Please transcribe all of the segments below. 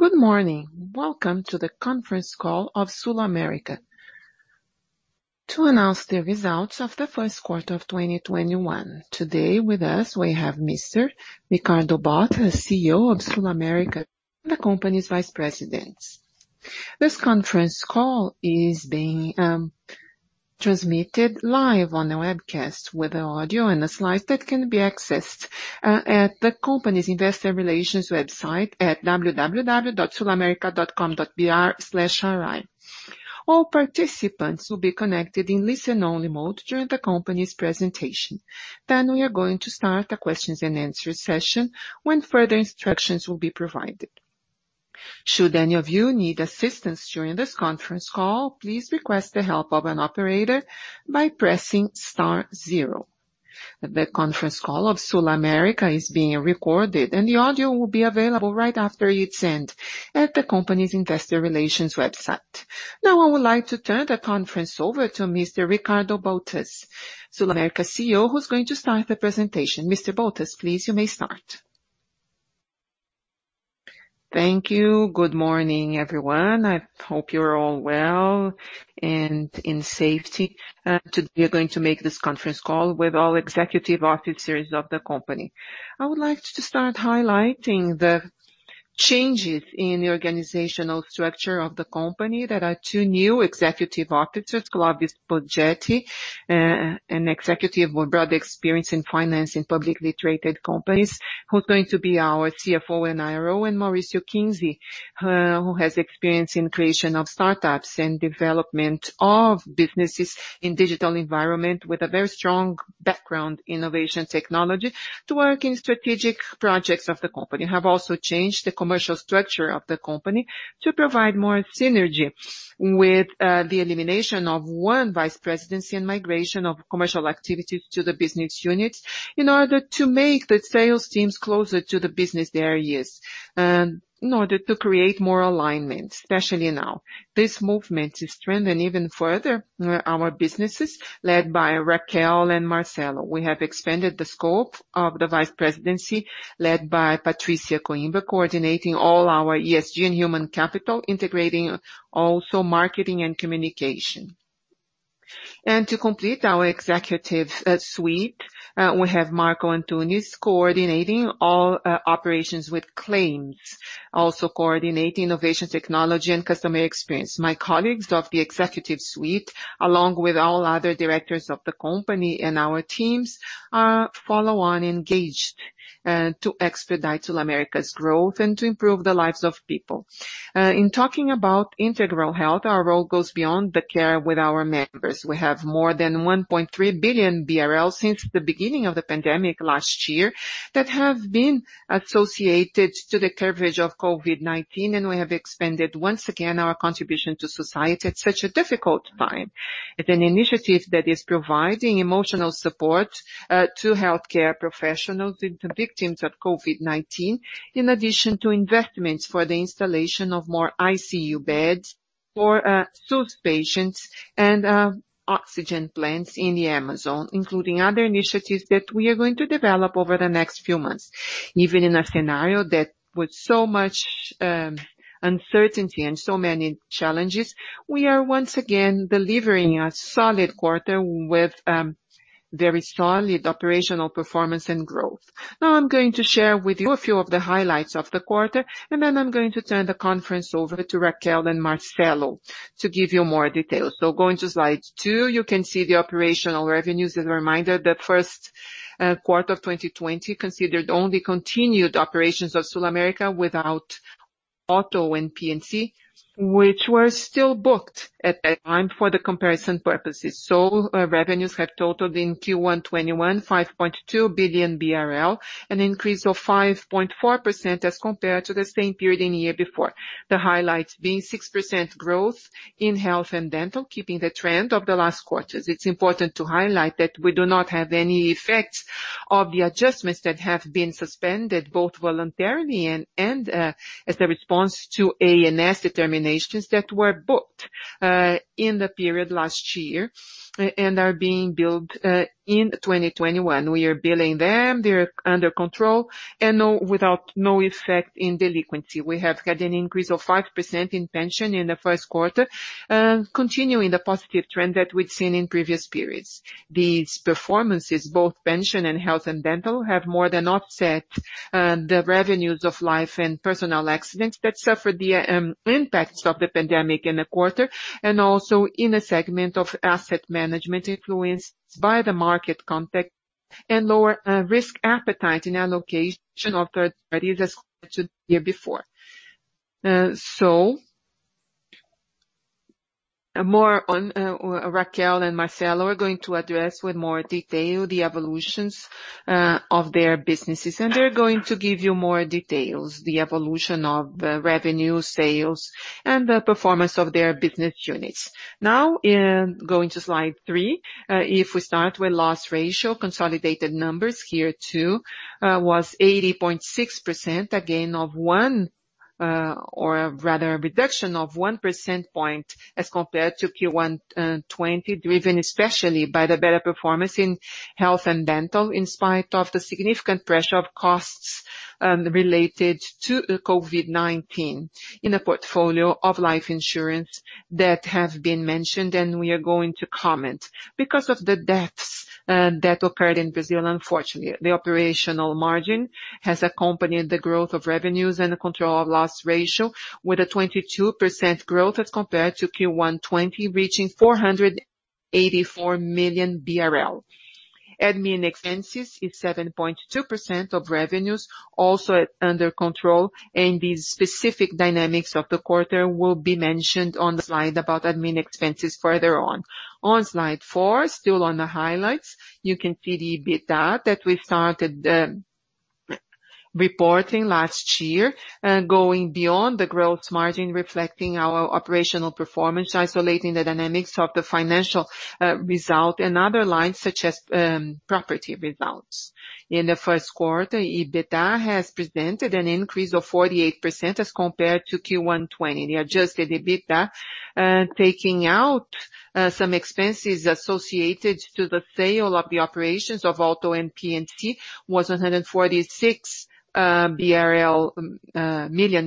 Good morning. Welcome to the Conference Call of SulAmérica to Announce the Results of the First Quarter of 2021. Today with us, we have Mr. Ricardo Bottas, CEO of SulAmérica, and the company's vice presidents. This conference call is being transmitted live on the webcast with audio and the slides that can be accessed at the company's investor relations website at www.sulamerica.com.br/ri. All participants will be connected in listen-only mode during the company's presentation. We are going to start a questions and answers session when further instructions will be provided. Should any of you need assistance during this conference call, please request the help of an operator by pressing star zero. The conference call of SulAmérica is being recorded and the audio will be available right after it ends at the company's investor relations website. Now I would like to turn the conference over to Mr. Ricardo Bottas, SulAmérica CEO, who's going to start the presentation. Mr. Bottas, please, you may start. Thank you. Good morning, everyone. I hope you are all well and in safety. Today we are going to make this conference call with all executive officers of the company. I would like to start highlighting the changes in the organizational structure of the company. There are two new Executive Officers, Clóvis Poggetti, an executive with broad experience in finance in publicly traded companies, who's going to be our CFO and IRO, and Maurício Kingsey, who has experience in creation of startups and development of businesses in digital environment with a very strong background in Innovation Technology to work in strategic projects of the company. Have also changed the commercial structure of the company to provide more synergy with the elimination of one vice presidency and migration of commercial activities to the business units in order to make the sales teams closer to the business areas, in order to create more alignment, especially now. This movement is to strengthen even further our businesses led by Raquel and Marcelo. We have expanded the scope of the Vice Presidency led by Patrícia Coimbra, coordinating all our ESG and human capital, integrating also marketing and communication. To complete our Executive Suite, we have Marco Antunes coordinating all operations with claims, also coordinating innovation technology and customer experience. My colleagues of the executive suite, along with all other directors of the company and our teams, follow on engaged to expedite SulAmérica's growth and to improve the lives of people. In talking about integral health, our role goes beyond the care with our members. We have more than 1.3 billion BRL since the beginning of the pandemic last year that have been associated to the coverage of COVID-19, and we have expanded once again our contribution to society at such a difficult time with an initiative that is providing emotional support to healthcare professionals and to victims of COVID-19, in addition to investments for the installation of more ICU beds for SUS patients and oxygen plants in the Amazon, including other initiatives that we are going to develop over the next few months. Even in a scenario that with so much uncertainty and so many challenges, we are once again delivering a solid quarter with very solid operational performance and growth. Now I'm going to share with you a few of the highlights of the quarter, and then I'm going to turn the conference over to Raquel and Marcelo to give you more details. Going to slide two, you can see the operational revenues. As a reminder, the first quarter of 2020 considered only continued operations of SulAmérica without Auto and P&C, which were still booked at that time for the comparison purposes. Revenues have totaled in Q1 2021, 5.2 billion BRL, an increase of 5.4% as compared to the same period in the year before. The highlights being 6% growth in health and dental, keeping the trend of the last quarters. It's important to highlight that we do not have any effects of the adjustments that have been suspended, both voluntarily and as a response to ANS determinations that were booked in the period last year and are being billed in 2021. We are billing them, they're under control and with no effect in delinquency. We have had an increase of 5% in pension in the first quarter, continuing the positive trend that we'd seen in previous periods. These performances, both Pension and Health & Dental, have more than offset the revenues of life and personal accidents that suffered the impacts of the pandemic in the quarter, and also in the segment of asset management influenced by the market context and lower risk appetite in allocation of third parties as compared to the year before. Raquel and Marcelo are going to address with more detail the evolutions of their businesses, and they're going to give you more details, the evolution of revenue, sales, and the performance of their business units. Now, going to slide three. If we start with loss ratio, consolidated numbers here too was 80.6%, Or rather, a reduction of 1 percentage point as compared to Q1 2020, driven especially by the better performance in Health & Dental, in spite of the significant pressure of costs related to COVID-19 in a portfolio of Life Insurance, deaths have been mentioned, and we are going to comment. Because of the deaths that occurred in Brazil, unfortunately, the operational margin has accompanied the growth of revenues and the control of loss ratio with a 22% growth as compared to Q1 2020, reaching 484 million BRL. Admin expenses is 7.2% of revenues, also under control. The specific dynamics of the quarter will be mentioned on the slide about admin expenses further on. On slide four, still on the highlights, you can see the EBITDA that we started reporting last year, going beyond the growth margin, reflecting our operational performance, isolating the dynamics of the financial result and other lines such as property results. In the first quarter, EBITDA has presented an increase of 48% as compared to Q1 2020. The adjusted EBITDA, taking out some expenses associated to the sale of the operations of Auto and P&C, was 146 million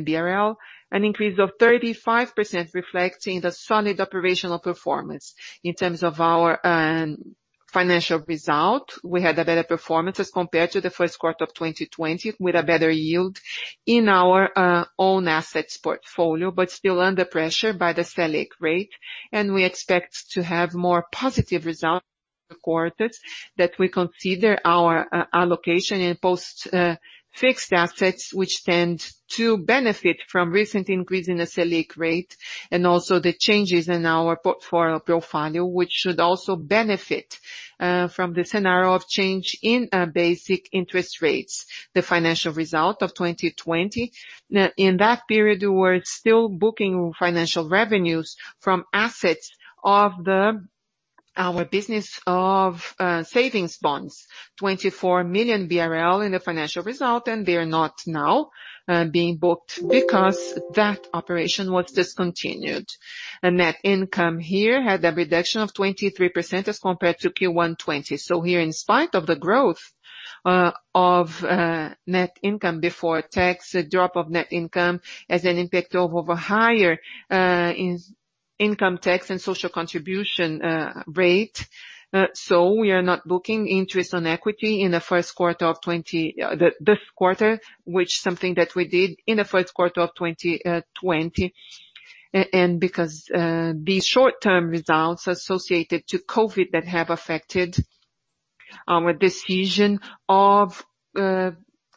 BRL, an increase of 35%, reflecting the solid operational performance. In terms of our financial result, we had a better performance as compared to the first quarter of 2020, with a better yield in our own assets portfolio, but still under pressure by the Selic rate. We expect to have more positive results in the quarters that we consider our allocation in post-fixed assets, which stand to benefit from recent increase in the Selic rate, and also the changes in our portfolio, which should also benefit from the scenario of change in basic interest rates. The financial result of 2020. Now, in that period, we're still booking financial revenues from assets of our business of savings bonds, 24 million BRL in the financial result, and they are not now being booked because that operation was discontinued. The net income here had a reduction of 23% as compared to Q1 2020. Here, in spite of the growth of net income before tax, a drop of net income has an impact of over higher income tax and social contribution rate. We are not Booking Interest on Equity in this quarter, which something that we did in the first quarter of 2020. Because these short-term results associated to COVID-19 that have affected our decision of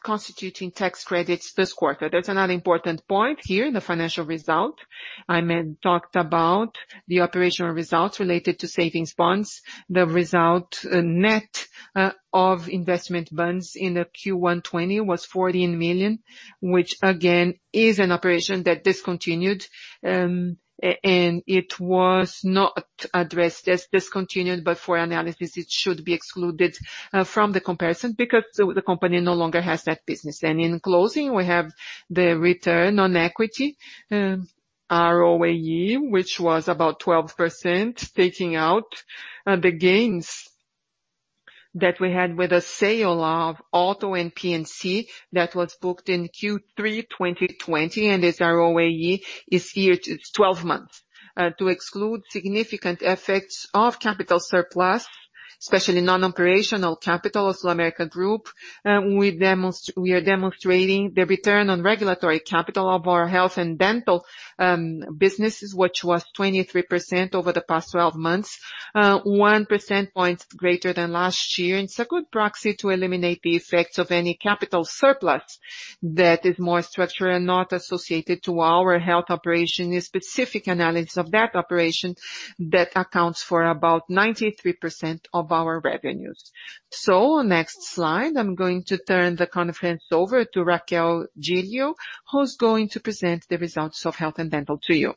constituting tax credits this quarter. That's another important point here in the financial result. I talked about the operational results related to savings bonds. The result net of investment bonds in the Q1 2020 was 14 million, which again, is an operation that discontinued. It was not addressed as discontinued, but for analysis, it should be excluded from the comparison because the company no longer has that business. In closing, we have the Return on Equity, ROAE, which was about 12%, taking out the gains that we had with the sale of Auto and P&C that was booked in Q3 2020, and its ROAE is here, it's 12 months. To exclude significant effects of capital surplus, especially non-operational capital of SulAmérica Group, we are demonstrating the return on regulatory capital of our health and dental businesses, which was 23% over the past 12 months. 1 percentage point greater than last year. It's a good proxy to eliminate the effects of any capital surplus that is more structural and not associated to our Health operation, a specific analysis of that operation that accounts for about 93% of our revenues. Next slide, I'm going to turn the conference over to Raquel Giglio, who's going to present the results of Health & Dental to you.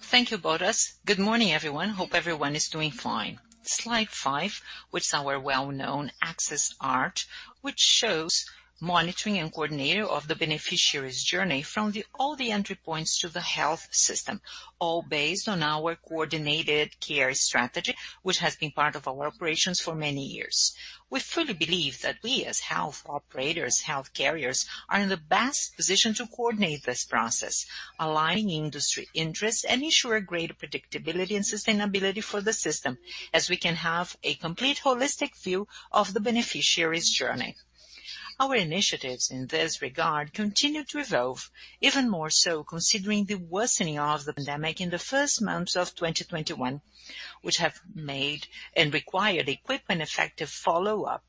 Thank you, Bottas. Good morning, everyone. Hope everyone is doing fine. Slide five, with our well-known AxisMed, which shows monitoring and coordinator of the beneficiary's journey from all the entry points to the health system, all based on our coordinated care strategy, which has been part of our operations for many years. We fully believe that we, as health operators, health carriers, are in the best position to coordinate this process, aligning industry interests and ensure greater predictability and sustainability for the system, as we can have a complete holistic view of the beneficiary's journey. Our initiatives in this regard continue to evolve, even more so considering the worsening of the pandemic in the first months of 2021, which have made and required a quick and effective follow-up,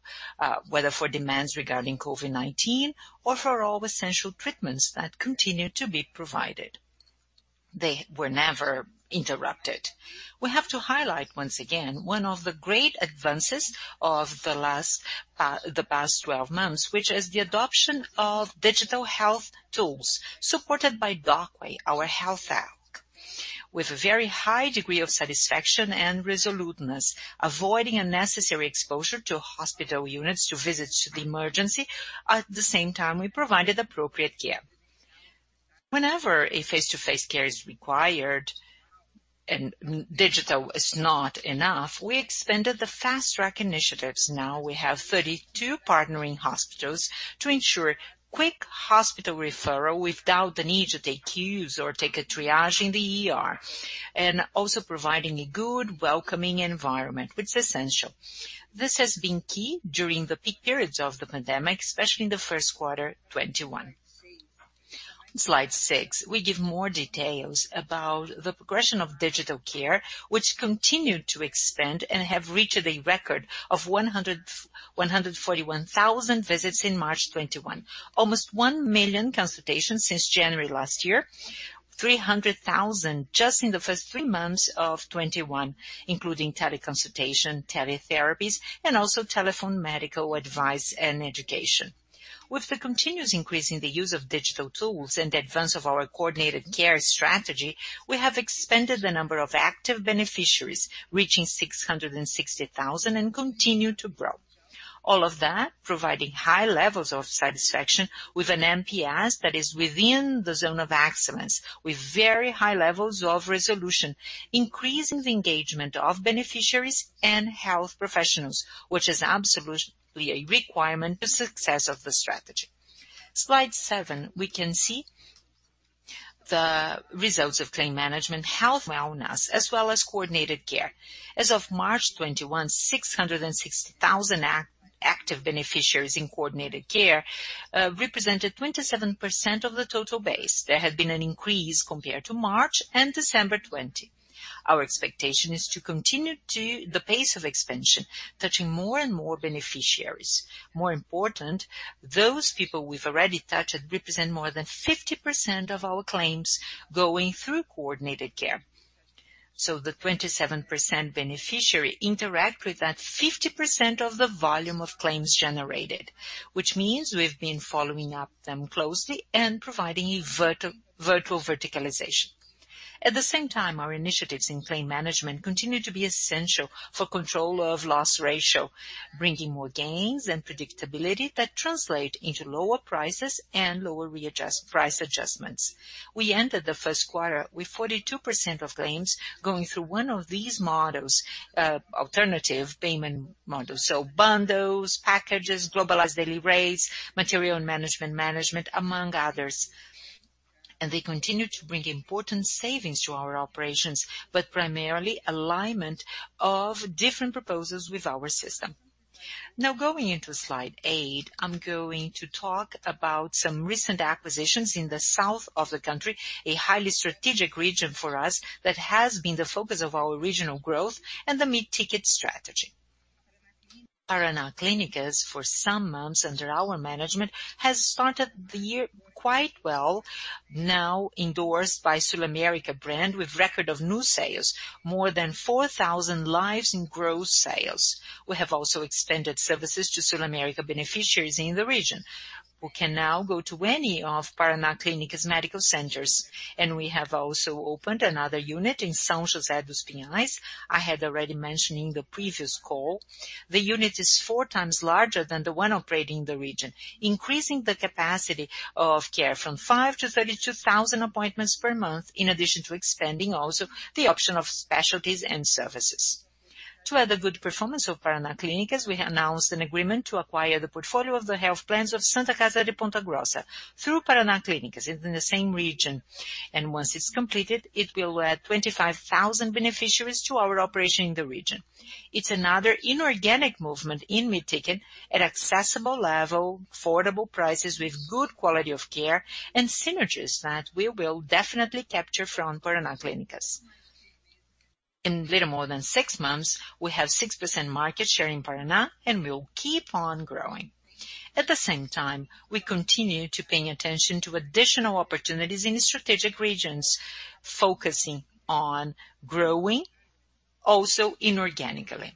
whether for demands regarding COVID-19 or for all the essential treatments that continue to be provided. They were never interrupted. We have to highlight once again, one of the great advances of the past 12 months, which is the adoption of digital health tools supported by Docway, our health app. With a very high degree of satisfaction and resoluteness, avoiding unnecessary exposure to hospital units, to visits to the emergency. At the same time, we provided appropriate care. Whenever a face-to-face care is required and digital is not enough, we expanded the fast-track initiatives. Now we have 32 partnering hospitals to ensure quick hospital referral without the need to take queues or take a triage in the ER. Also providing a good, welcoming environment, which is essential. This has been key during the peak periods of the pandemic, especially in Q1 2021. Slide six, we give more details about the progression of digital care, which continued to expand and have reached a record of 141,000 visits in March 2021. Almost 1 million consultations since January last year, 300,000 just in the first three months of 2021, including teleconsultation, teletherapies, and also telephone medical advice and education. With the continuous increase in the use of digital tools and the advance of our coordinated care strategy, we have expanded the number of active beneficiaries, reaching 660,000 and continue to grow. All of that providing high levels of satisfaction with an NPS that is within the zone of excellence, with very high levels of resolution, increasing the engagement of beneficiaries and health professionals, which is absolutely a requirement for success of the strategy. Slide seven, we can see the results of claim management, health wellness, as well as coordinated care. As of March 2021, 606,000 active beneficiaries in coordinated care represented 27% of the total base. There has been an increase compared to March and December 2020. Our expectation is to continue the pace of expansion, touching more and more beneficiaries. More important, those people we've already touched represent more than 50% of our claims going through coordinated care. The 27% beneficiary interact with that 50% of the volume of claims generated, which means we've been following up them closely and providing a virtual verticalization. At the same time, our initiatives in claim management continue to be essential for control of loss ratio, bringing more gains and predictability that translate into lower prices and lower price adjustments. We ended the first quarter with 42% of claims going through one of these models, alternative payment models. Bundles, packages, globalized daily rates, material and management, among others. They continue to bring important savings to our operations, but primarily alignment of different proposals with our system. Now going into slide eight, I'm going to talk about some recent acquisitions in the south of the country, a highly strategic region for us that has been the focus of our regional growth and the mid-ticket strategy. Paraná Clínicas, for some months under our management, has started the year quite well, now endorsed by SulAmérica brand with record of new sales, more than 4,000 lives in gross sales. We have also extended services to SulAmérica beneficiaries in the region, who can now go to any of Paraná Clínicas medical centers. We have also opened another unit in São José dos Pinhais, I had already mentioned in the previous call. The unit is 4x larger than the one operating in the region, increasing the capacity of care from 5,000 to 32,000 appointments per month, in addition to extending also the option of specialties and services. To add the good performance of Paraná Clínicas, we announced an agreement to acquire the portfolio of the health plans of Santa Casa de Misericórdia de Ponta Grossa through Paraná Clínicas. It's in the same region. Once it's completed, it will add 25,000 beneficiaries to our operation in the region. It's another inorganic movement in mid-ticket at accessible level, affordable prices with good quality of care and synergies that we will definitely capture from Paraná Clínicas. In little more than six months, we have 6% market share in Paraná and will keep on growing. At the same time, we continue to paying attention to additional opportunities in strategic regions, focusing on growing also inorganically.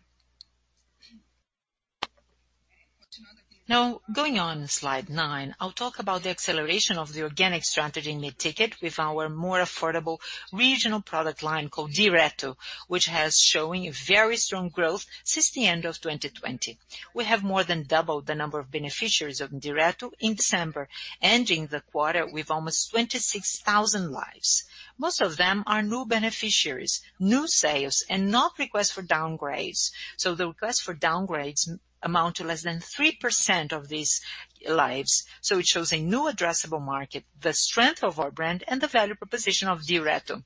Going on slide nine, I'll talk about the acceleration of the organic strategy in mid-ticket with our more affordable regional product line called Direto, which has shown a very strong growth since the end of 2020. We have more than doubled the number of beneficiaries of Direto in December, ending the quarter with almost 26,000 lives. Most of them are new beneficiaries, new sales, and not requests for downgrades. The requests for downgrades amount to less than 3% of these lives. It shows a new addressable market, the strength of our brand, and the value proposition of Direto.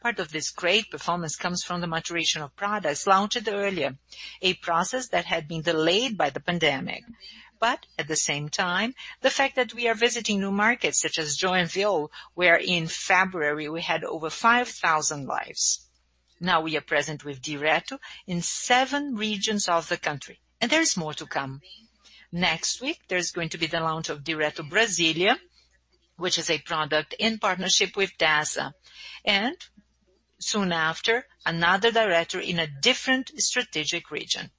Part of this great performance comes from the maturation of products launched earlier, a process that had been delayed by the pandemic. At the same time, the fact that we are visiting new markets such as Joinville, where in February we had over 5,000 lives. Now we are present with Direto in seven regions of the country, and there is more to come. Next week, there's going to be the launch of Direto Brasília, which is a product in partnership with Dasa, and soon after, another Direto in a different strategic region.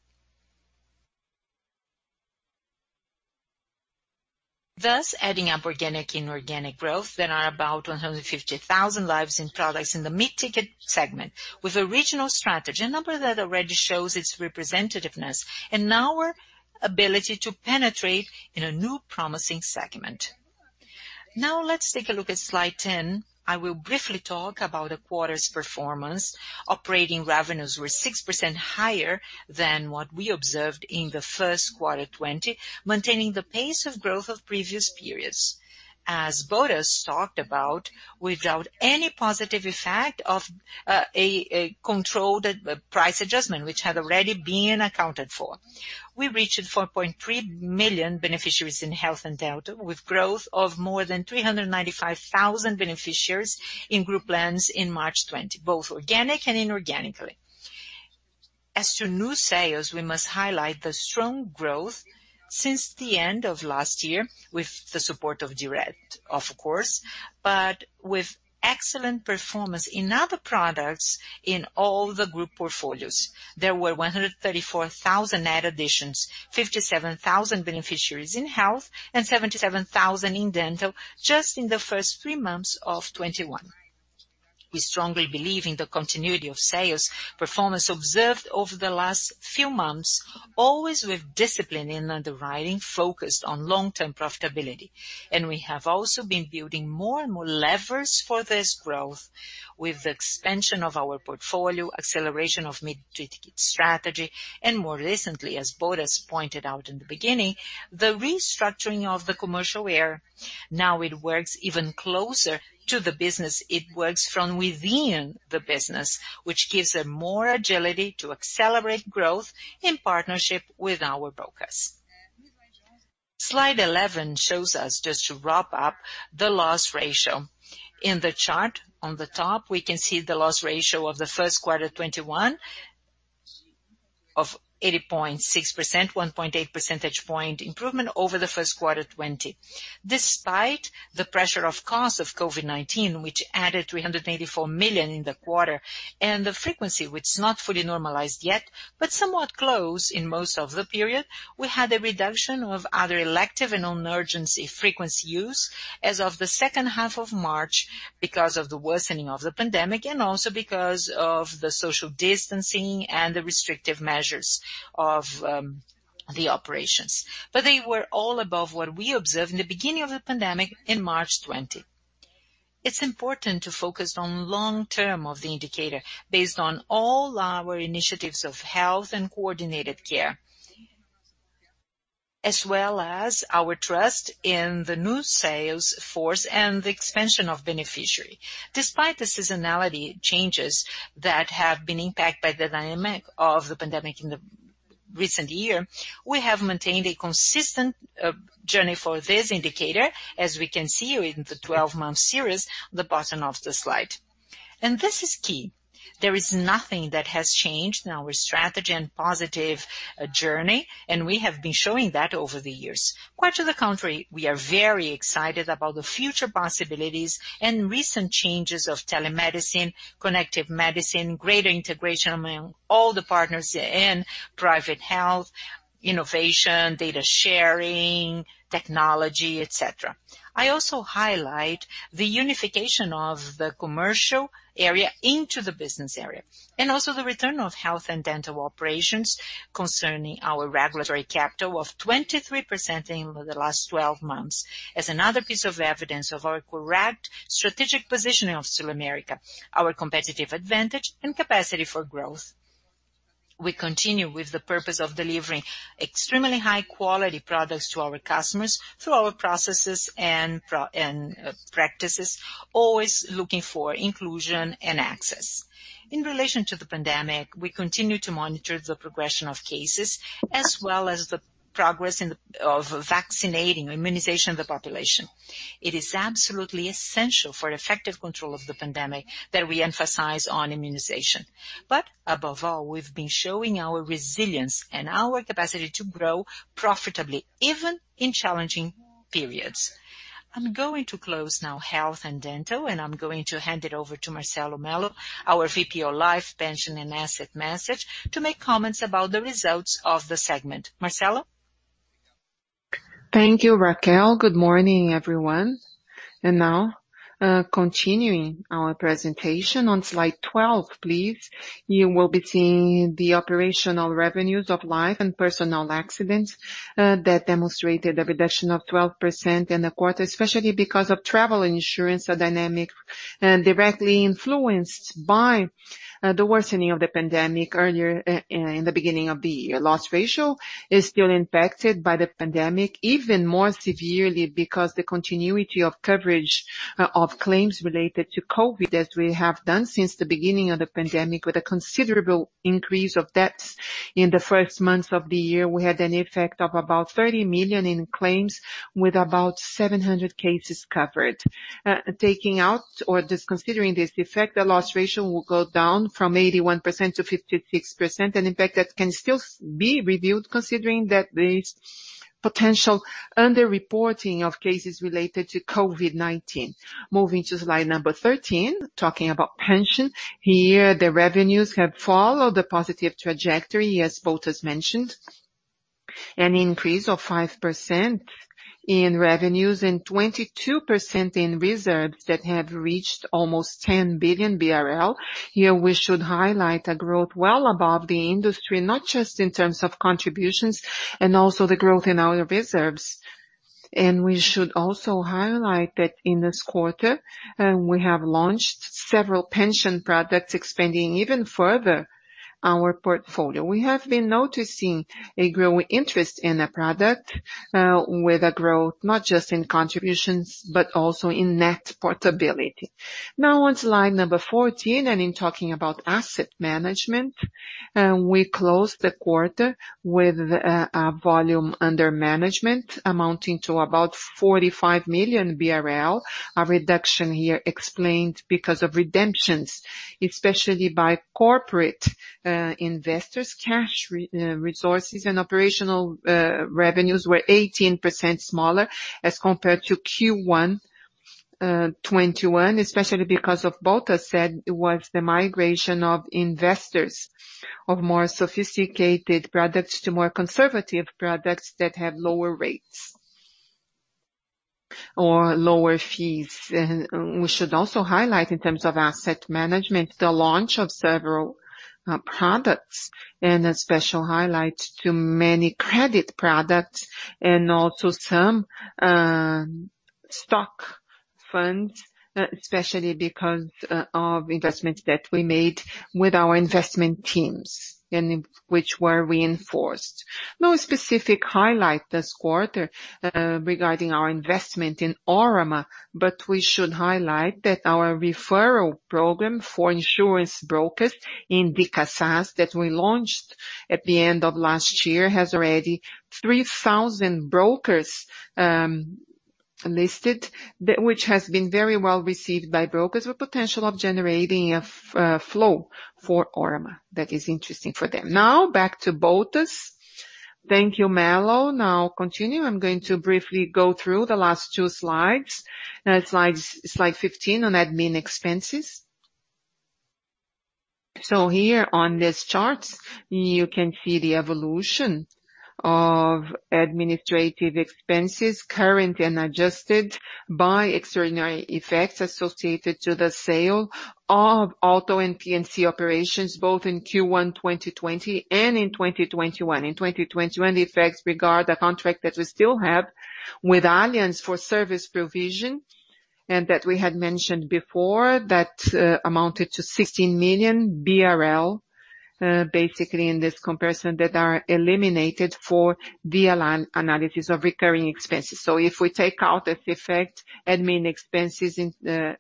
Adding up organic and inorganic growth, there are about 150,000 lives in products in the mid-ticket segment with original strategy, a number that already shows its representativeness and our ability to penetrate in a new promising segment. Let's take a look at slide 10. I will briefly talk about the quarter's performance. Operating revenues were 6% higher than what we observed in Q1 2020, maintaining the pace of growth of previous periods. As Bottas talked about, without any positive effect of a controlled price adjustment, which had already been accounted for. We reached 4.3 million beneficiaries in Health & Dental, with growth of more than 395,000 beneficiaries in group plans in March 2020, both organic and inorganically. As to new sales, we must highlight the strong growth since the end of last year with the support of Direto, of course, but with excellent performance in other products, in all the group portfolios. There were 134,000 net additions, 57,000 beneficiaries in Health, and 77,000 in Dental just in the first three months of 2021. We strongly believe in the continuity of sales performance observed over the last few months, always with discipline in underwriting focused on long-term profitability. We have also been building more and more levers for this growth with the expansion of our portfolio, acceleration of mid to ticket strategy, and more recently, as Bottas pointed out in the beginning, the restructuring of the commercial area. Now it works even closer to the business. It works from within the business, which gives a more agility to accelerate growth in partnership with our brokers. Slide 11 shows us just to wrap up the loss ratio. In the chart on the top, we can see the loss ratio of the first quarter 2021 of 80.6%, 1.8 percentage point improvement over the first quarter 2020. Despite the pressure of cost of COVID-19, which added 384 million in the quarter, and the frequency, which is not fully normalized yet, but somewhat close in most of the period, we had a reduction of other elective and non-urgency frequency use as of the second half of March because of the worsening of the pandemic and also because of the social distancing and the restrictive measures of the operations. They were all above what we observed in the beginning of the pandemic in March 2020. It is important to focus on long-term of the indicator based on all our initiatives of health and coordinated care, as well as our trust in the new sales force and the expansion of beneficiary. Despite the seasonality changes that have been impacted by the dynamic of the pandemic in the recent year, we have maintained a consistent journey for this indicator, as we can see in the 12-month series, the bottom of the slide. This is key. There is nothing that has changed in our strategy and positive journey, and we have been showing that over the years. Quite to the contrary, we are very excited about the future possibilities and recent changes of telemedicine, connective medicine, greater integration among all the partners in private health, innovation, data sharing, technology, et cetera. I also highlight the unification of the commercial area into the business area, and also the return of health and dental operations concerning our regulatory capital of 23% in the last 12 months as another piece of evidence of our correct strategic positioning of SulAmérica, our competitive advantage and capacity for growth. We continue with the purpose of delivering extremely high-quality products to our customers through our processes and practices, always looking for inclusion and access. In relation to the pandemic, we continue to monitor the progression of cases, as well as the progress of vaccinating, immunization of the population. It is absolutely essential for effective control of the pandemic that we emphasize on immunization. Above all, we've been showing our resilience and our capacity to grow profitably, even in challenging periods. I'm going to close now Health & Dental, and I'm going to hand it over to Marcelo Mello, our VP of Life, Pension, and Asset Management, to make comments about the results of the segment. Marcelo? Thank you, Raquel. Good morning, everyone. Now, continuing our presentation on slide 12, please. You will be seeing the operational revenues of life and personal accidents that demonstrated a reduction of 12% in the quarter, especially because of travel insurance dynamic directly influenced by the worsening of the pandemic earlier in the beginning of the year. Loss ratio is still impacted by the pandemic even more severely because the continuity of coverage of claims related to COVID-19, as we have done since the beginning of the pandemic with a considerable increase of deaths. In the first months of the year, we had an effect of about 30 million in claims with about 700 cases covered. Taking out or just considering this effect, the loss ratio will go down from 81% to 56%, an impact that can still be reviewed considering that there is potential underreporting of cases related to COVID-19. Moving to slide number 13, talking about pension. Here, the revenues have followed the positive trajectory, as Bottas mentioned. An increase of 5% in revenues and 22% in reserves that have reached almost 10 billion BRL. Here we should highlight a growth well above the industry, not just in terms of contributions and also the growth in our reserves. We should also highlight that in this quarter, we have launched several pension products, expanding even further our portfolio. We have been noticing a growing interest in the product, with a growth not just in contributions, but also in net portability. Now on to slide number 14, in talking about Asset management. We closed the quarter with a volume under management amounting to about 45 million BRL. A reduction here explained because of redemptions, especially by corporate investors. Cash resources and operational revenues were 18% smaller as compared to Q1 2021, especially because of both said was the migration of investors of more sophisticated products to more conservative products that have lower rates or lower fees. We should also highlight, in terms of asset management, the launch of several products, and a special highlight to many credit products and also some stock funds, especially because of investments that we made with our investment teams and which were reinforced. No specific highlight this quarter regarding our investment in Órama, but we should highlight that our referral program for insurance brokers in de casas that we launched at the end of last year, has already 3,000 brokers listed, which has been very well received by brokers with potential of generating a flow for Órama that is interesting for them. Back to Bottas. Thank you, Mello. Continue. I'm going to briefly go through the last two slides. Slide 15 on admin expenses. Here on this chart, you can see the evolution of administrative expenses, current and adjusted by extraordinary effects associated to the sale of Auto and P&C operations, both in Q1 2020 and in 2021. In 2021, the effects regard the contract that we still have with Allianz for service provision, and that we had mentioned before, that amounted to 16 million BRL, basically in this comparison, that are eliminated for the analysis of recurring expenses. If we take out this effect, admin expenses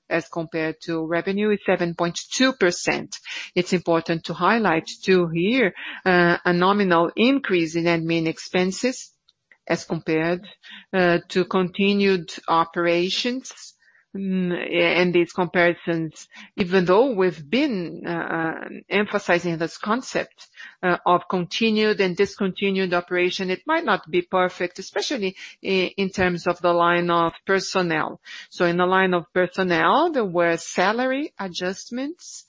as compared to revenue is 7.2%. It's important to highlight, too, here, a nominal increase in admin expenses as compared to continued operations and these comparisons. Even though we've been emphasizing this concept of continued and discontinued operation, it might not be perfect, especially in terms of the line of personnel. In the line of personnel, there were salary adjustments.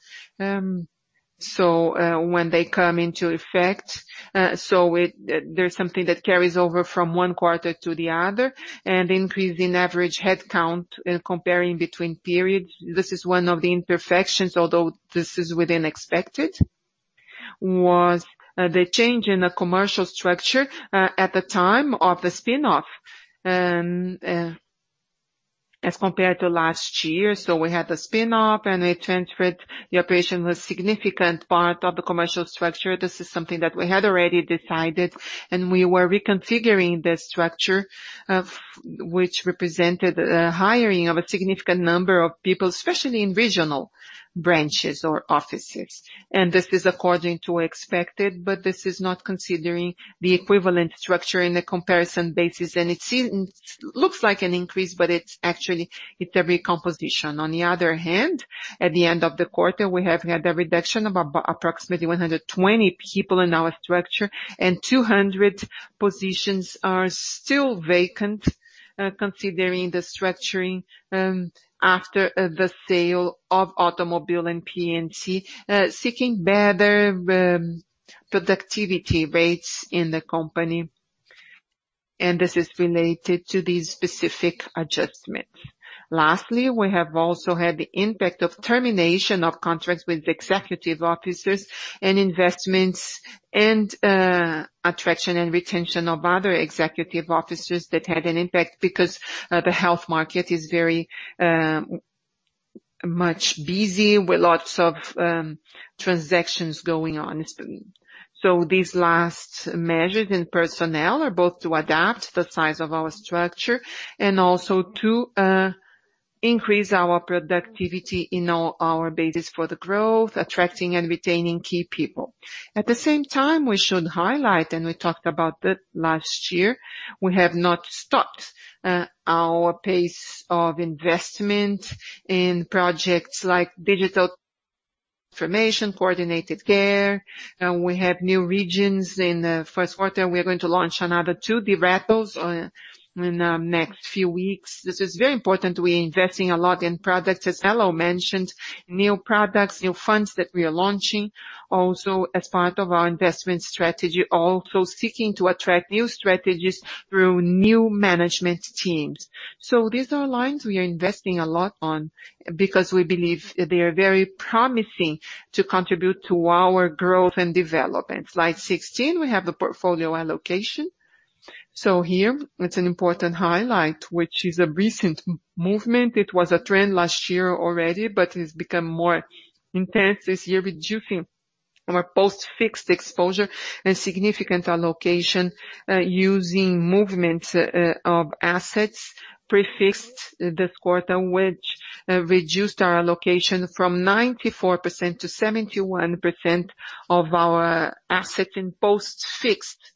When they come into effect, there's something that carries over from one quarter to the other, and increase in average headcount comparing between periods. This is one of the imperfections, although this is within expected, was the change in the commercial structure at the time of the spinoff as compared to last year. We had the spinoff, and they transferred the operation with significant part of the commercial structure. This is something that we had already decided, and we were reconfiguring the structure, which represented the hiring of a significant number of people, especially in regional branches or offices. This is according to expected, but this is not considering the equivalent structure in a comparison basis, and it looks like an increase, but it's actually a recomposition. On the other hand, at the end of the quarter, we have had a reduction of approximately 120 people in our structure and 200 positions are still vacant, considering the structuring after the sale of automobile and P&C, seeking better productivity rates in the company. This is related to these specific adjustments. Lastly, we have also had the impact of termination of contracts with executive officers and investments and attraction and retention of other executive officers that had an impact because the health market is very much busy with lots of transactions going on. These last measures in personnel are both to adapt the size of our structure and also to increase our productivity in all our bases for the growth, attracting and retaining key people. At the same time, we should highlight, and we talked about it last year, we have not stopped our pace of investment in projects like digital information, coordinated care. We have new regions in the first quarter. We are going to launch another two, SulAmérica Direto, in the next few weeks. This is very important. We are investing a lot in products, as Mello mentioned, new products, new funds that we are launching. Also as part of our investment strategy, also seeking to attract new strategies through new management teams. These are lines we are investing a lot on because we believe they are very promising to contribute to our growth and development. Slide 16, we have the portfolio allocation. Here it's an important highlight, which is a recent movement. It was a trend last year already, but it's become more intense this year, reducing our post-fixed exposure and significant allocation, using movements of assets prefixed this quarter, which reduced our allocation from 94% to 71% of our assets in post-fixed products.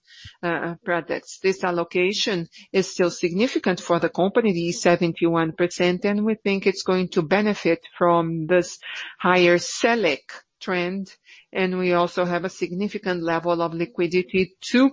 This allocation is still significant for the company, the 71%. We think it's going to benefit from this higher Selic trend. We also have a significant level of liquidity to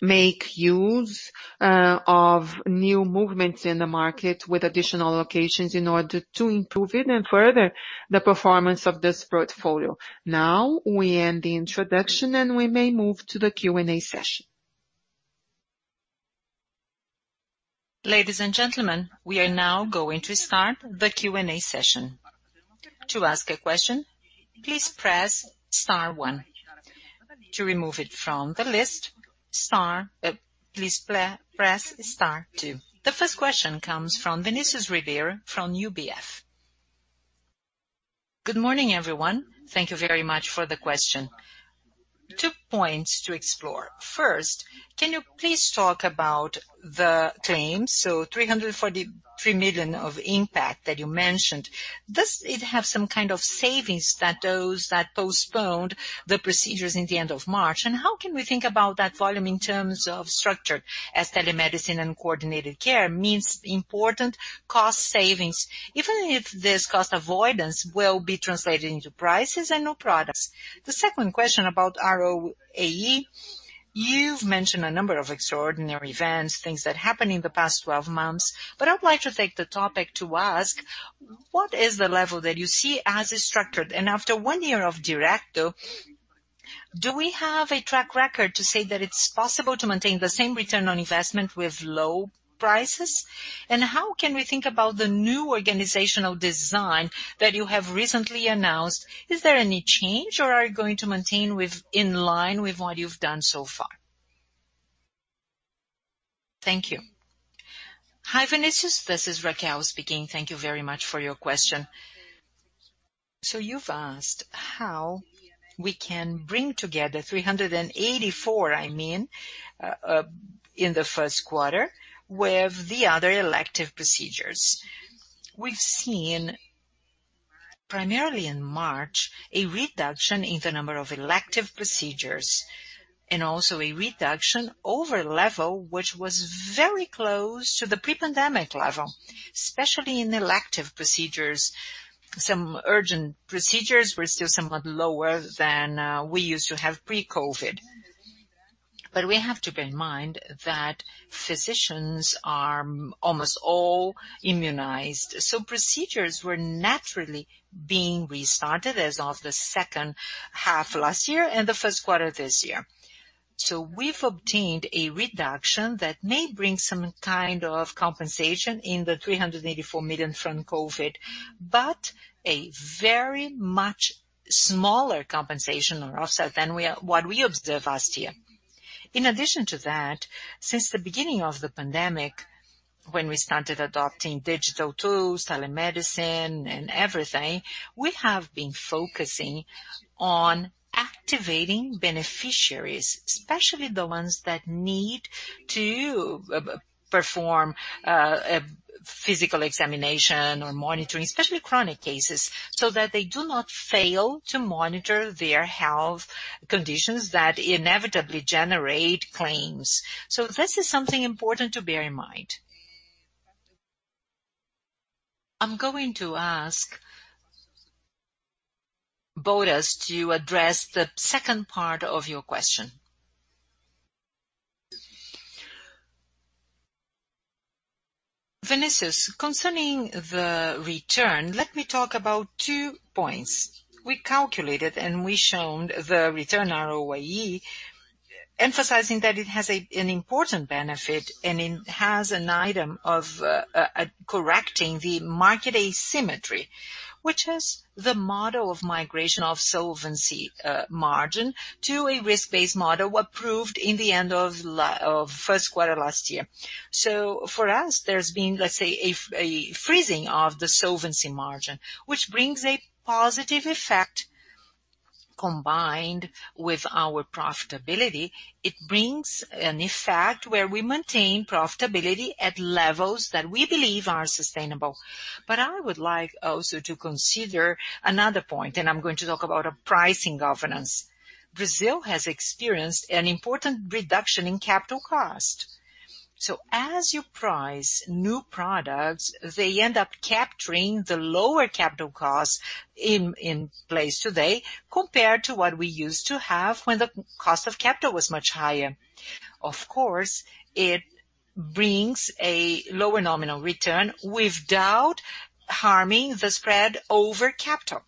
make use of new movements in the market with additional allocations in order to improve it and further the performance of this portfolio. Now, we end the introduction, and we may move to the Q&A session. Ladies and gentlemen, we are now going to start the Q&A session. To ask a question, please press star one. To remove it from the list, please press star two. The first question comes from Vinicius Ribeiro from UBS. Good morning, everyone. Thank you very much for the question. Two points to explore. First, can you please talk about the claims, so 343 million of impact that you mentioned. Does it have some kind of savings that those that postponed the procedures in the end of March, and how can we think about that volume in terms of structure as telemedicine and coordinated care means important cost savings, even if this cost avoidance will be translated into prices and new products. The second question about ROAE. You've mentioned a number of extraordinary events, things that happened in the past 12 months, but I'd like to take the topic to ask, what is the level that you see as structured? After one year of Direto, do we have a track record to say that it's possible to maintain the same return on investment with low prices? How can we think about the new organizational design that you have recently announced? Is there any change, or are you going to maintain in line with what you've done so far? Thank you. Hi, Vinicius. This is Raquel speaking. Thank you very much for your question. You've asked how we can bring together 384 million, I mean, in the first quarter with the other elective procedures. We've seen primarily in March, a reduction in the number of elective procedures, also a reduction over level, which was very close to the pre-pandemic level, especially in elective procedures. Some urgent procedures were still somewhat lower than we used to have pre-COVID. We have to bear in mind that physicians are almost all immunized. Procedures were naturally being restarted as of the second half last year and the first quarter of this year. We've obtained a reduction that may bring some kind of compensation in the 384 million from COVID, a very much smaller compensation or offset than what we observed last year. In addition to that, since the beginning of the pandemic, when we started adopting digital tools, telemedicine and everything, we have been focusing on activating beneficiaries, especially the ones that need to perform a physical examination or monitoring, especially chronic cases, so that they do not fail to monitor their health conditions that inevitably generate claims. This is something important to bear in mind. I'm going to ask Bottas to address the second part of your question. Vinicius, concerning the return, let me talk about two points. We calculated, and we shown the return ROAE, emphasizing that it has an important benefit, and it has an item of correcting the market asymmetry, which is the model of migration of solvency margin to a risk-based model approved in the end of first quarter last year. For us, there's been, let's say, a freezing of the solvency margin, which brings a positive effect combined with our profitability. It brings an effect where we maintain profitability at levels that we believe are sustainable. I would like also to consider another point, and I'm going to talk about pricing governance. Brazil has experienced an important reduction in capital cost. As you price new products, they end up capturing the lower capital cost in place today compared to what we used to have when the cost of capital was much higher. Of course, it brings a lower nominal return without harming the spread over capital.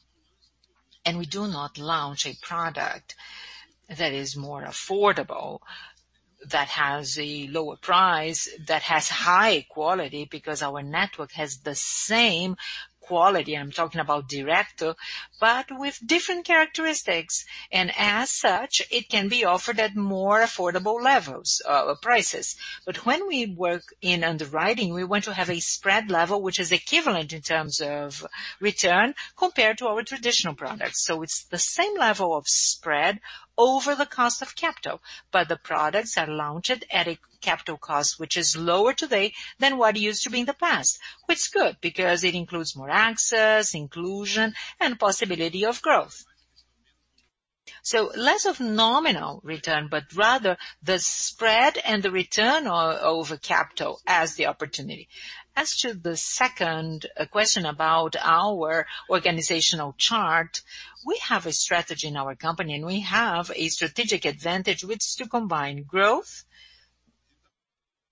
We do not launch a product that is more affordable, that has a lower price, that has high quality because our network has the same quality, I'm talking about Direto, but with different characteristics. As such, it can be offered at more affordable levels or prices. When we work in underwriting, we want to have a spread level which is equivalent in terms of return compared to our traditional products. It's the same level of spread over the cost of capital, but the products are launched at a capital cost, which is lower today than what it used to be in the past. Which is good because it includes more access, inclusion, and possibility of growth. Less of nominal return, but rather the spread and the return over capital as the opportunity. As to the second question about our organizational chart, we have a strategy in our SulAmérica, and we have a strategic advantage, which is to combine growth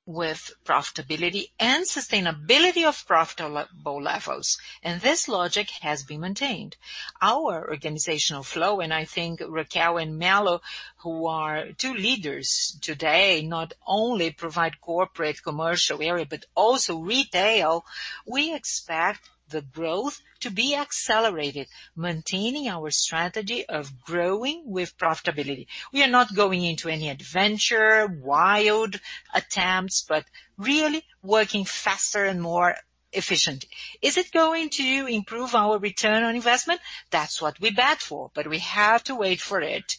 with profitability and sustainability of profitable levels. This logic has been maintained. Our organizational flow, and I think Raquel and Mello, who are two leaders today, not only provide corporate commercial area, but also retail. We expect the growth to be accelerated, maintaining our strategy of growing with profitability. We are not going into any adventure, wild attempts, but really working faster and more efficient. Is it going to improve our return on investment? That's what we bat for, but we have to wait for it.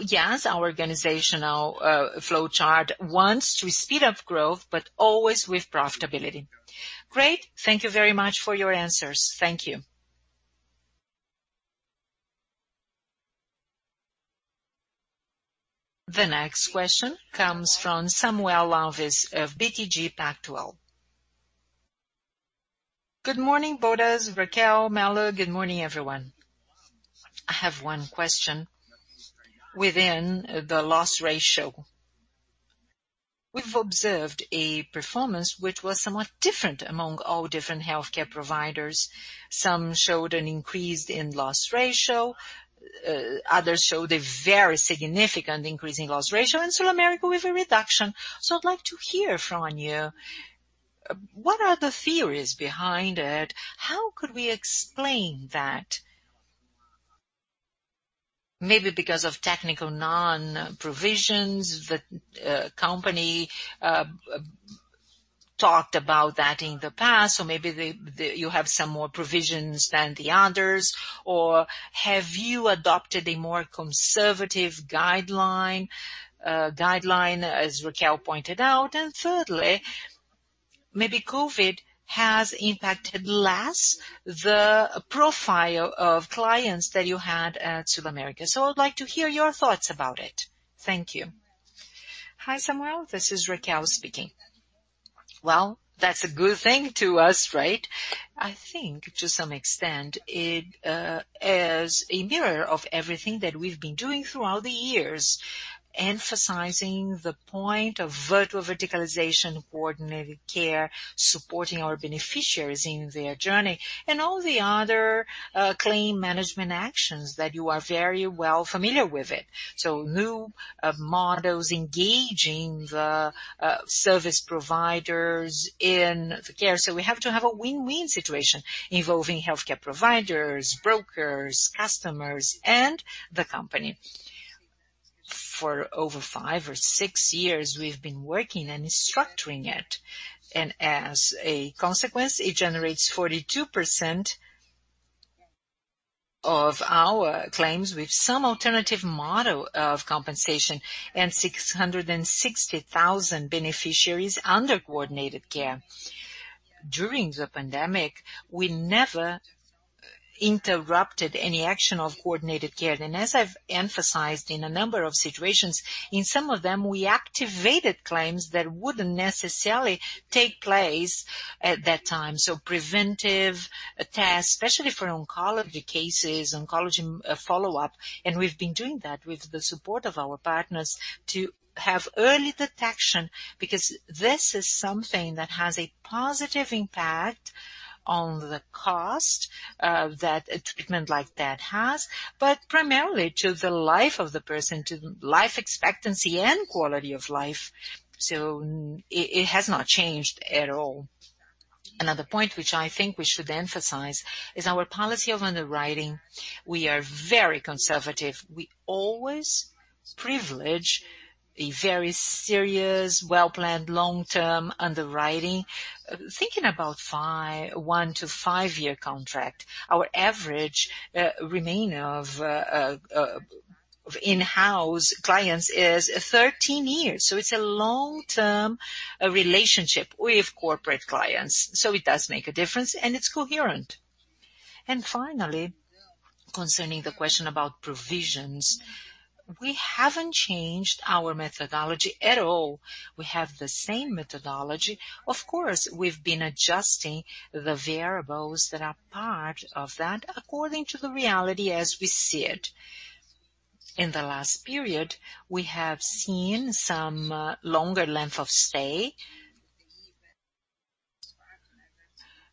Yes, our organizational flowchart wants to speed up growth, but always with profitability. Great. Thank you very much for your answers. Thank you. The next question comes from Samuel Alves of BTG Pactual. Good morning, Bottas, Raquel, Mello. Good morning, everyone. I have one question within the loss ratio. We've observed a performance which was somewhat different among all different healthcare providers. Some showed an increase in loss ratio, others showed a very significant increase in loss ratio, and SulAmérica with a reduction. I'd like to hear from you, what are the theories behind it? How could we explain that? Maybe because of technical non-provisions, the company talked about that in the past, maybe you have some more provisions than the others. Have you adopted a more conservative guideline, as Raquel pointed out? Thirdly, maybe COVID has impacted less the profile of clients that you had at SulAmérica. I'd like to hear your thoughts about it. Thank you. Hi, Samuel. This is Raquel speaking. Well, that's a good thing to us, right? I think to some extent it is a mirror of everything that we've been doing throughout the years, emphasizing the point of virtual verticalization, coordinated care, supporting our beneficiaries in their journey, and all the other claim management actions that you are very well familiar with it. New models engaging the service providers in the care. We have to have a win-win situation involving healthcare providers, brokers, customers, and the company. For over five or six years, we've been working and structuring it, and as a consequence, it generates 42% of our claims with some alternative model of compensation and 660,000 beneficiaries under coordinated care. During the pandemic, we never interrupted any action of coordinated care. As I've emphasized in a number of situations, in some of them, we activated claims that wouldn't necessarily take place at that time. Preventive tasks, especially for oncology cases, oncology follow-up, and we've been doing that with the support of our partners to have early detection, because this is something that has a positive impact on the cost of that a treatment like that has, but primarily to life of the person, to life expectancy and quality of life. It has not changed at all. Another point which I think we should emphasize is our policy of underwriting. We are very conservative. We always privilege a very serious, well-planned, long-term underwriting. Thinking about one to five-year contract, our average remaining of in-house clients is 13 years. It's a long-term relationship with corporate clients. It does make a difference, and it's coherent. Finally, concerning the question about provisions, we haven't changed our methodology at all. We have the same methodology. Of course, we've been adjusting the variables that are part of that according to the reality as we see it. In the last period, we have seen some longer length of stay,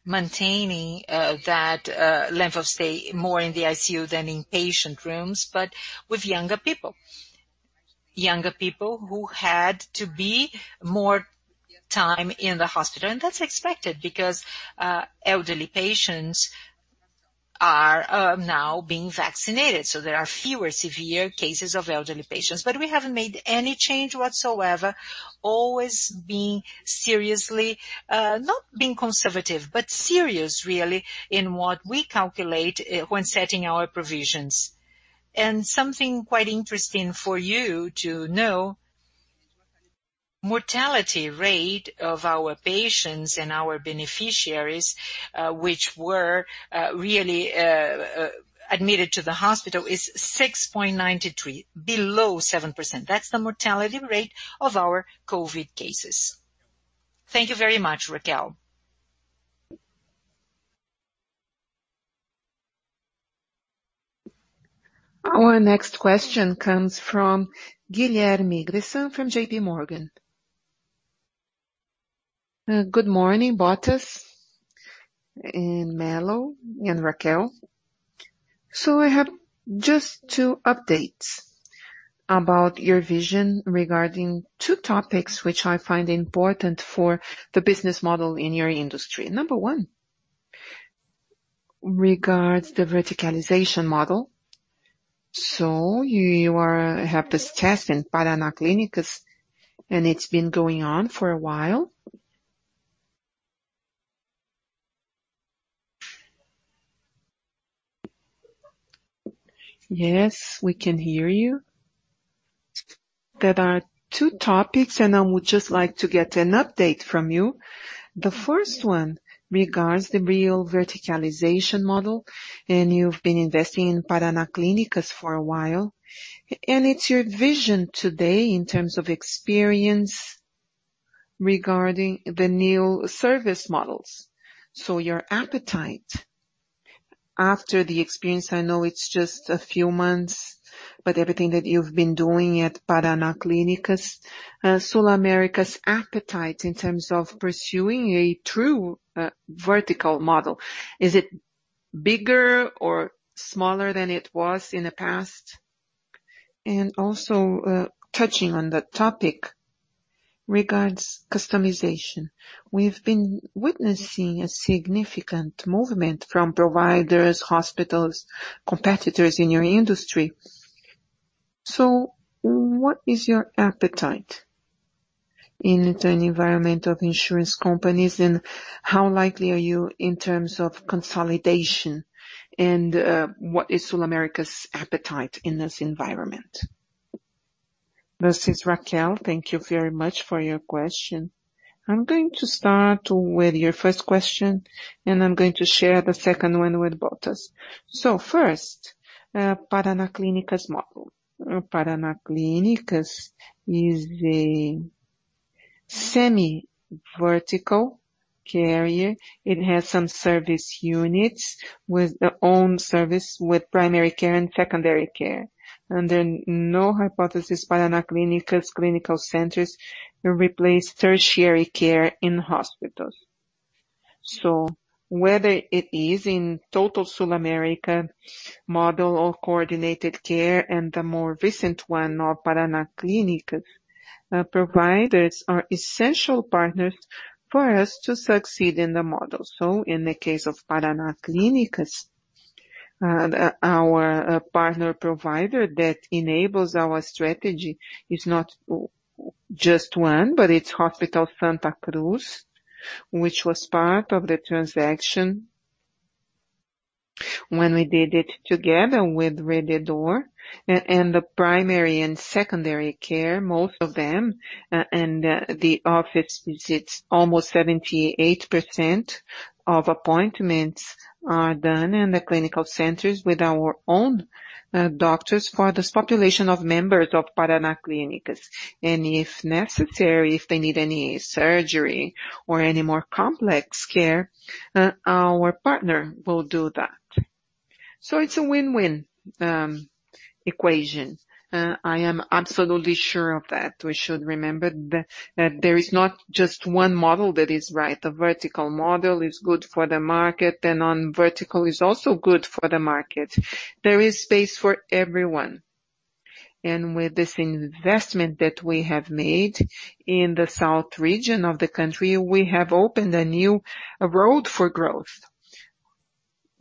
maintaining that length of stay more in the ICU than in patient rooms, but with younger people. Younger people who had to be more time in the hospital, and that's expected because elderly patients are now being vaccinated, so there are fewer severe cases of elderly patients. We haven't made any change whatsoever, always being, not being conservative, but serious really in what we calculate when setting our provisions. Something quite interesting for you to know, mortality rate of our patients and our beneficiaries, which were really admitted to the hospital is 6.93%, below 7%. That's the mortality rate of our COVID-19 cases. Thank you very much, Raquel. Our next question comes from Guilherme Grespan from JP Morgan. Good morning, Bottas and Mello and Raquel. I have just two updates about your vision regarding two topics, which I find important for the business model in your industry. Number one regards the verticalization model. You have this test in Paraná Clínicas, and it's been going on for a while. Yes, we can hear you. There are two topics, and I would just like to get an update from you. The first one regards the real verticalization model, and you've been investing in Paraná Clínicas for a while. And it's your vision today in terms of experience regarding the new service models. Your appetite after the experience, I know it's just a few months, but everything that you've been doing at Paraná Clínicas, SulAmérica's appetite in terms of pursuing a true vertical model. Is it bigger or smaller than it was in the past? Also, touching on that topic regards customization. We've been witnessing a significant movement from providers, hospitals, competitors in your industry. What is your appetite in an environment of insurance companies, and how likely are you in terms of consolidation, and what is SulAmérica's appetite in this environment? This is Raquel. Thank you very much for your question. I'm going to start with your first question, and I'm going to share the second one with Bottas. First, Paraná Clínicas model. Paraná Clínicas is a semi-vertical carrier. It has some service units with their own service, with primary care and secondary care. Under no hypothesis, Paraná Clínicas clinical centers replace tertiary care in hospitals. Whether it is in total SulAmérica model or coordinated care and the more recent one of Paraná Clínicas, providers are essential partners for us to succeed in the model. In the case of Paraná Clínicas, our partner provider that enables our strategy is not just one, but it's Hospital Santa Cruz, which was part of the transaction when we did it together with Rede D'Or and the primary and secondary care, most of them, and the office visits, almost 78% of appointments are done in the clinical centers with our own doctors for this population of members of Paraná Clínicas. If necessary, if they need any surgery or any more complex care, our partner will do that. It's a win-win equation. I am absolutely sure of that. We should remember that there is not just one model that is right. The vertical model is good for the market, the non-vertical is also good for the market. There is space for everyone. With this investment that we have made in the south region of the country, we have opened a new road for growth.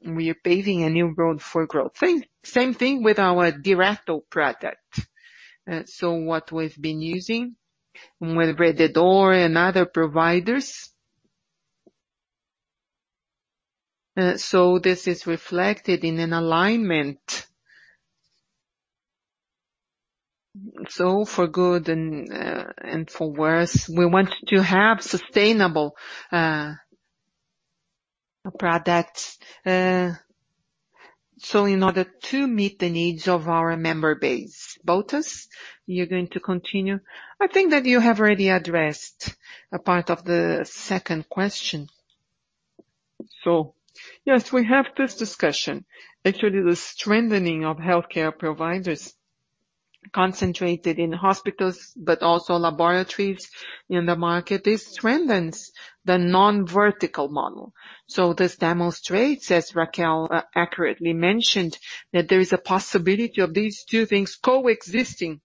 We are paving a new road for growth. Same thing with our Direto product. What we've been using with Rede D'Or and other providers. This is reflected in an alignment. For good and for worse, we want to have sustainable- A product. In order to meet the needs of our member base. Bottas, you're going to continue. I think that you have already addressed a part of the second question. Yes, we have this discussion. Actually, the strengthening of healthcare providers concentrated in hospitals but also laboratories in the market, this strengthens the non-vertical model. This demonstrates, as Raquel accurately mentioned, that there is a possibility of these two things coexisting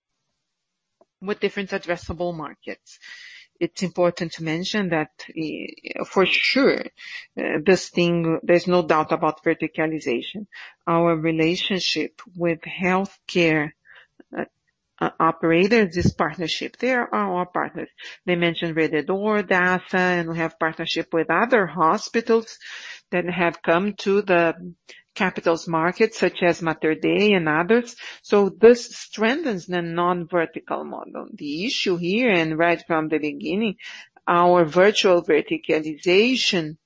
with different addressable markets. It's important to mention that for sure, there's no doubt about verticalization. Our relationship with healthcare operators, this partnership, they are our partners. They mentioned Rede D'Or, Dasa, and we have partnership with other hospitals that have come to the capital market, such as Mater Dei and others. This strengthens the non-vertical model. The issue here, and right from the beginning, our virtual verticalization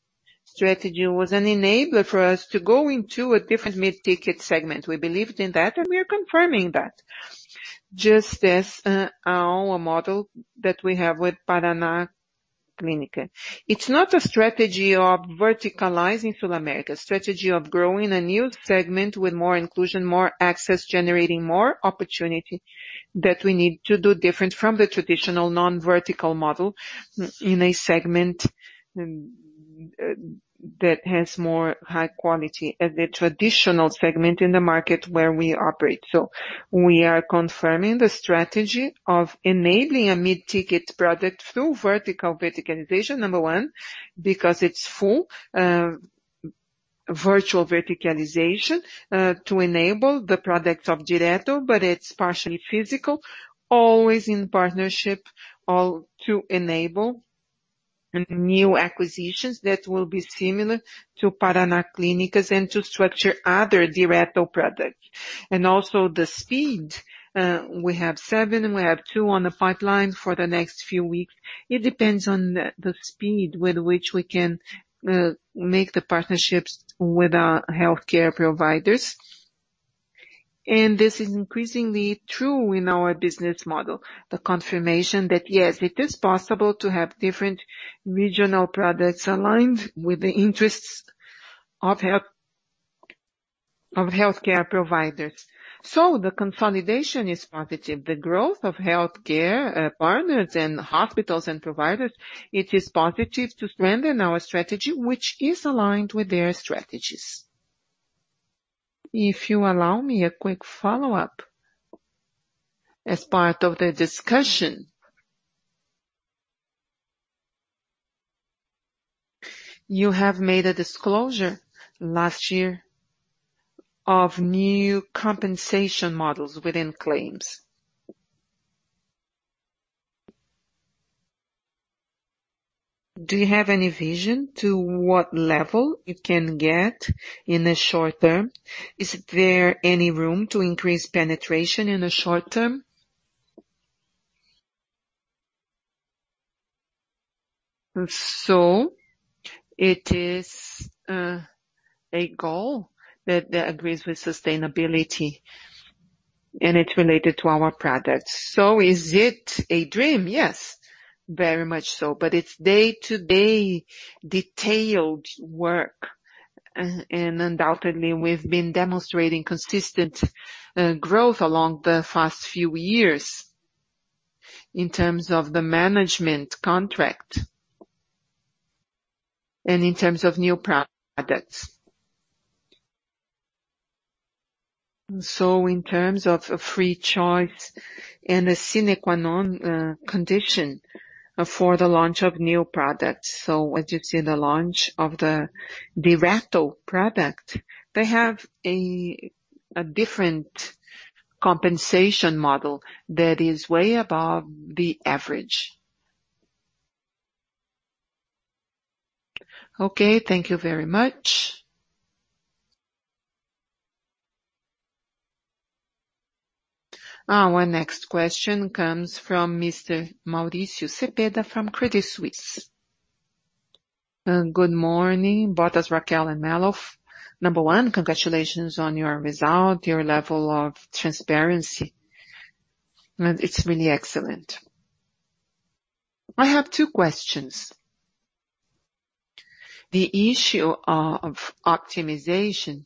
strategy was an enabler for us to go into a different mid-ticket segment. We believed in that, and we are confirming that. Just as our model that we have with Paraná Clínicas. It's not a strategy of verticalizing SulAmérica. Strategy of growing a new segment with more inclusion, more access, generating more opportunity that we need to do different from the traditional non-vertical model in a segment that has more high quality and the traditional segment in the market where we operate. We are confirming the strategy of enabling a mid-ticket product through vertical verticalization, number one. Because it's full virtual verticalization to enable the product of Direto, but it's partially physical, always in partnership, all to enable new acquisitions that will be similar to Paraná Clínicas and to structure other Direto products. Also the speed. We have seven, we have two on the pipeline for the next few weeks. It depends on the speed with which we can make the partnerships with our healthcare providers. This is increasingly true in our business model, the confirmation that yes, it is possible to have different regional products aligned with the interests of healthcare providers. The consolidation is positive. The growth of healthcare partners and hospitals and providers, it is positive to strengthen our strategy, which is aligned with their strategies. If you allow me a quick follow-up as part of the discussion. You have made a disclosure last year of new compensation models within claims. Do you have any vision to what level you can get in the short term? Is there any room to increase penetration in the short term? It is a goal that agrees with sustainability, and it's related to our products. Is it a dream? Yes, very much so. It's day-to-day detailed work. Undoubtedly, we've been demonstrating consistent growth along the past few years in terms of the management contract and in terms of new products. In terms of free choice and a sine qua non condition for the launch of new products. As you've seen the launch of the Direto product, they have a different compensation model that is way above the average. Okay. Thank you very much. Our next question comes from Mr. Mauricio Cepeda from Credit Suisse. Good morning, Bottas, Raquel, and Mello. Number one, congratulations on your result, your level of transparency. It's really excellent. I have two questions. The issue of optimization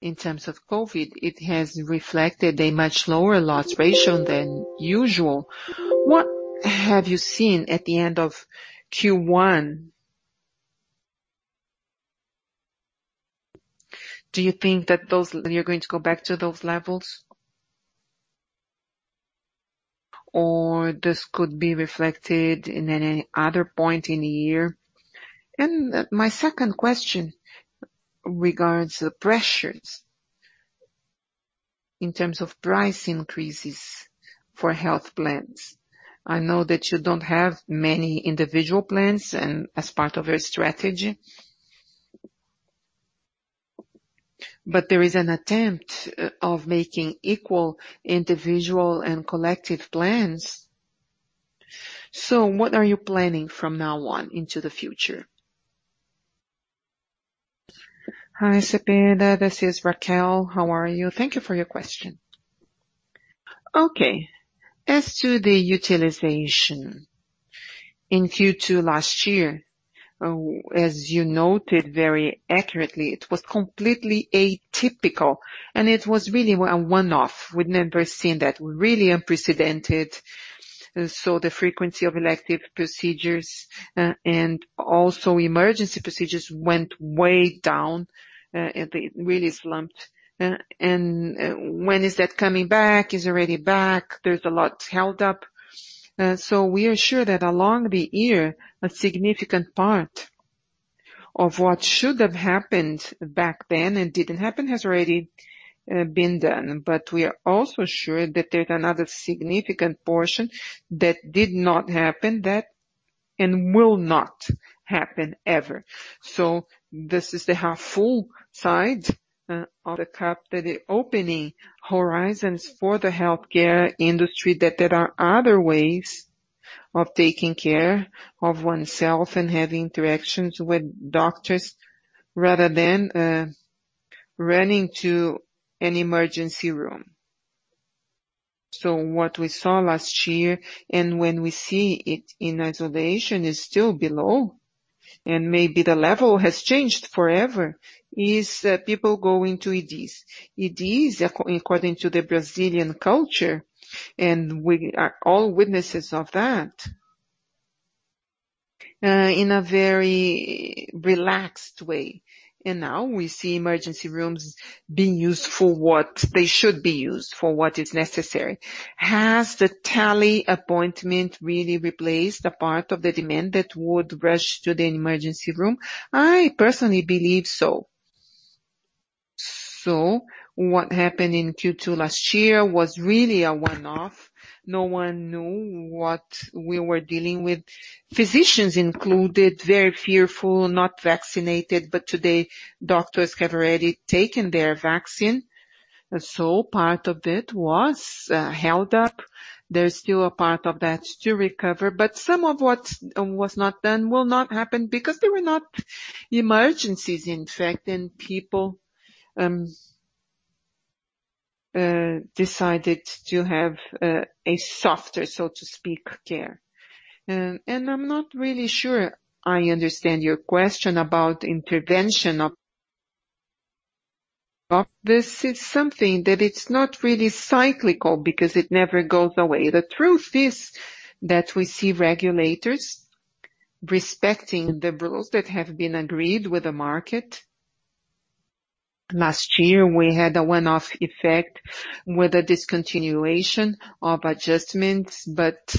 in terms of COVID, it has reflected a much lower loss ratio than usual. What have you seen at the end of Q1? Do you think that you're going to go back to those levels? This could be reflected in any other point in the year? My second question regards the pressures in terms of price increases for health plans. I know that you don't have many individual plans and as part of your strategy. There is an attempt of making equal individual and collective plans. What are you planning from now on into the future? Hi, Cepeda. This is Raquel. How are you? Thank you for your question. Okay. As to the utilization in Q2 last year, as you noted very accurately, it was completely atypical, and it was really a one-off. We'd never seen that. Really unprecedented. The frequency of elective procedures, and also emergency procedures went way down, it really slumped. When is that coming back? Is it already back? There's a lot held up. We are sure that along the year, a significant part of what should have happened back then and didn't happen has already been done. We are also sure that there's another significant portion that did not happen and will not happen, ever. This is the half full side of the cup, that opening horizons for the healthcare industry, that there are other ways of taking care of oneself and having interactions with doctors rather than running to an emergency room. What we saw last year, and when we see it in isolation, is still below, and maybe the level has changed forever, is people going to EDs. EDs, according to the Brazilian culture, and we are all witnesses of that, in a very relaxed way. Now we see emergency rooms being used for what they should be used, for what is necessary. Has the teleappointment really replaced the part of the demand that would rush to the emergency room? I personally believe so. What happened in Q2 last year was really a one-off. No one knew what we were dealing with. Physicians included, very fearful, not vaccinated. Today, doctors have already taken their vaccine. Part of it was held up. There's still a part of that to recover, but some of what was not done will not happen because they were not emergencies. In fact, people decided to have a softer, so to speak, care. I'm not really sure I understand your question about intervention of this. It's something that it's not really cyclical because it never goes away. The truth is that we see regulators respecting the rules that have been agreed with the market. Last year, we had a one-off effect with a discontinuation of adjustments, but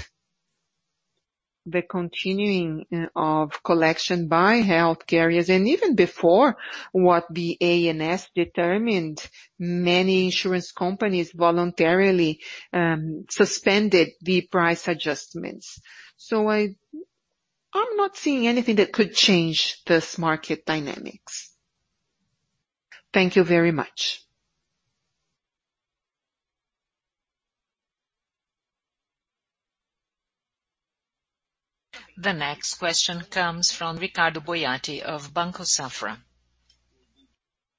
the continuing of collection by health carriers and even before what the ANS determined, many insurance companies voluntarily suspended the price adjustments. I'm not seeing anything that could change this market dynamics. Thank you very much. The next question comes from Ricardo Boiati of Banco Safra.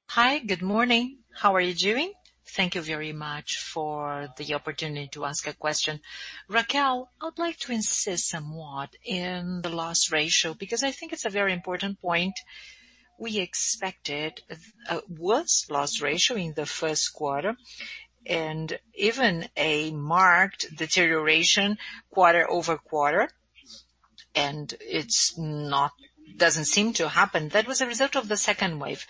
Hi, good morning. How are you doing? Thank you very much for the opportunity to ask a question. Raquel, I would like to insist somewhat in the loss ratio, because I think it's a very important point. We expected a worse loss ratio in the first quarter and even a marked deterioration quarter-over-quarter. It doesn't seem to happen. That was a result of the second wave.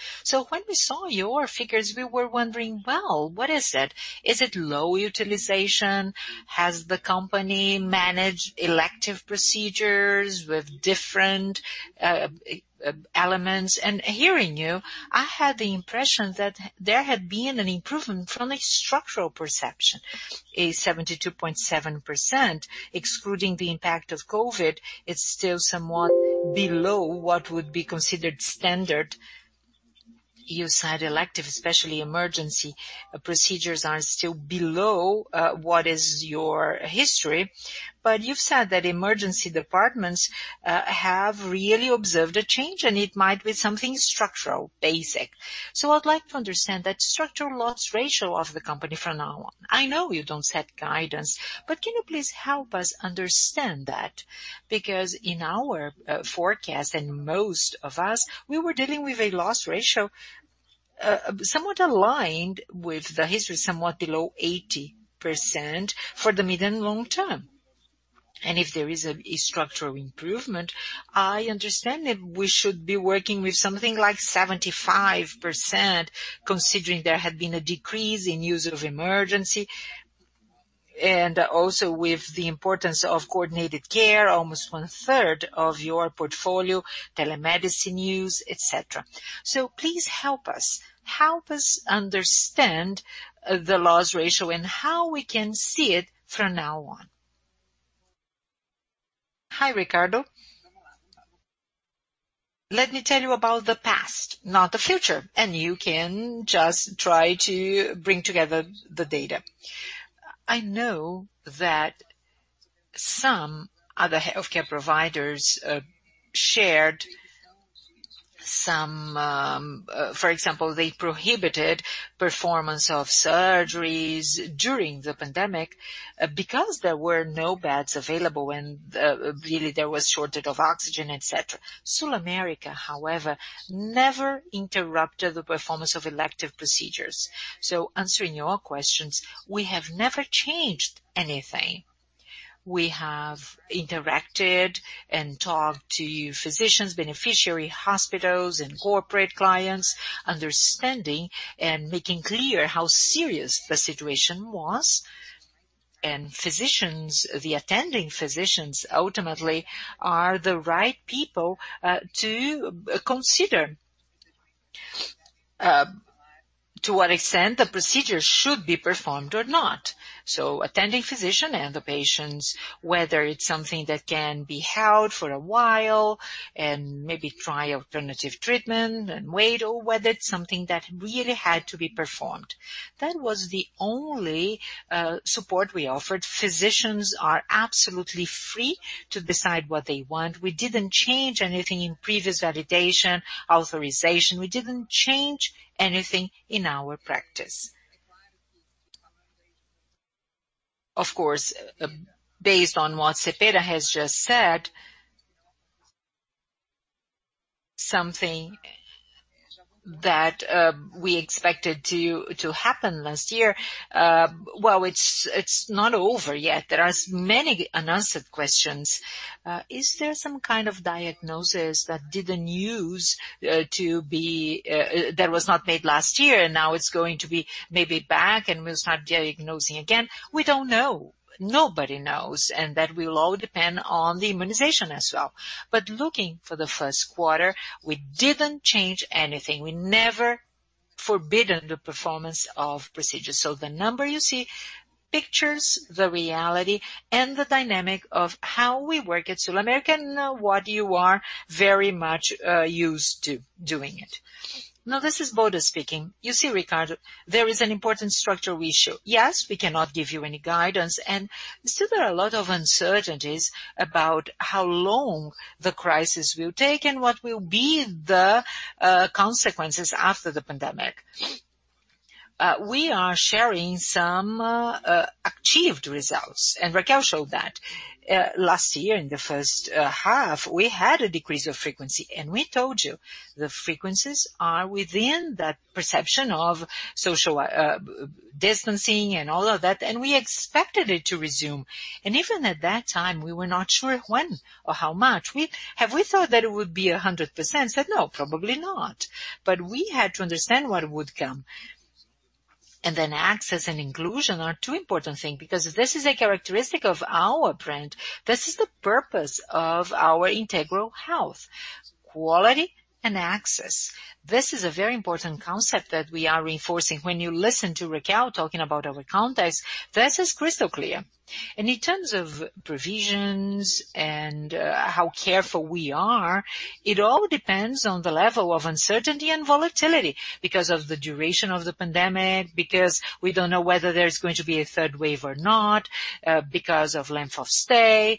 When we saw your figures, we were wondering, well, what is it? Is it low utilization? Has the company managed elective procedures with different elements? Hearing you, I had the impression that there had been an improvement from a structural perception, a 72.7%, excluding the impact of COVID-19, it's still somewhat below what would be considered standard. You said elective, especially emergency procedures are still below what is your history. You've said that emergency departments have really observed a change, and it might be something structural, basic. I'd like to understand that structural loss ratio of the company from now on. I know you don't set guidance, but can you please help us understand that? In our forecast and most of us, we were dealing with a loss ratio somewhat aligned with the history, somewhat below 80% for the medium long term. If there is a structural improvement, I understand that we should be working with something like 75%, considering there had been a decrease in use of emergency and also with the importance of coordinated care, almost one third of your portfolio, telemedicine use, et cetera. Please help us. Help us understand the loss ratio and how we can see it from now on. Hi, Ricardo. Let me tell you about the past, not the future, and you can just try to bring together the data. I know that some other healthcare providers, for example, they prohibited performance of surgeries during the pandemic because there were no beds available and really there was shortage of oxygen, et cetera. SulAmérica, however, never interrupted the performance of elective procedures. Answering your questions, we have never changed anything. We have interacted and talked to physicians, beneficiary hospitals, and corporate clients, understanding and making clear how serious the situation was. The attending physicians ultimately are the right people to consider to what extent the procedure should be performed or not. Attending physician and the patients, whether it's something that can be held for a while and maybe try alternative treatment and wait, or whether it's something that really had to be performed. That was the only support we offered. Physicians are absolutely free to decide what they want. We didn't change anything in previous validation, authorization. We didn't change anything in our practice. Of course, based on what Cepeda has just said, something that we expected to happen last year. It's not over yet. There are many unanswered questions. Is there some kind of diagnosis that was not made last year and now it's going to be maybe back and we'll start diagnosing again? We don't know. Nobody knows. That will all depend on the immunization as well. Looking for the first quarter, we didn't change anything. We never forbidden the performance of procedures. The number you see pictures the reality and the dynamic of how we work at SulAmérica and what you are very much used to doing it. This is Bottas speaking. Ricardo, there is an important structural issue. We cannot give you any guidance, and still there are a lot of uncertainties about how long the crisis will take and what will be the consequences after the pandemic. We are sharing some achieved results, and Raquel showed that. Last year in the first half, we had a decrease of frequency, and we told you the frequencies are within that perception of social distancing and all of that, and we expected it to resume. Even at that time, we were not sure when or how much. Have we thought that it would be 100%? No, probably not. We had to understand what would come. Access and inclusion are two important things, because this is a characteristic of our brand. This is the purpose of our integral health. Quality and access. This is a very important concept that we are reinforcing. When you listen to Raquel talking about our context, this is crystal clear. In terms of provisions and how careful we are, it all depends on the level of uncertainty and volatility because of the duration of the pandemic, because we don't know whether there's going to be a third wave or not, because of length of stay.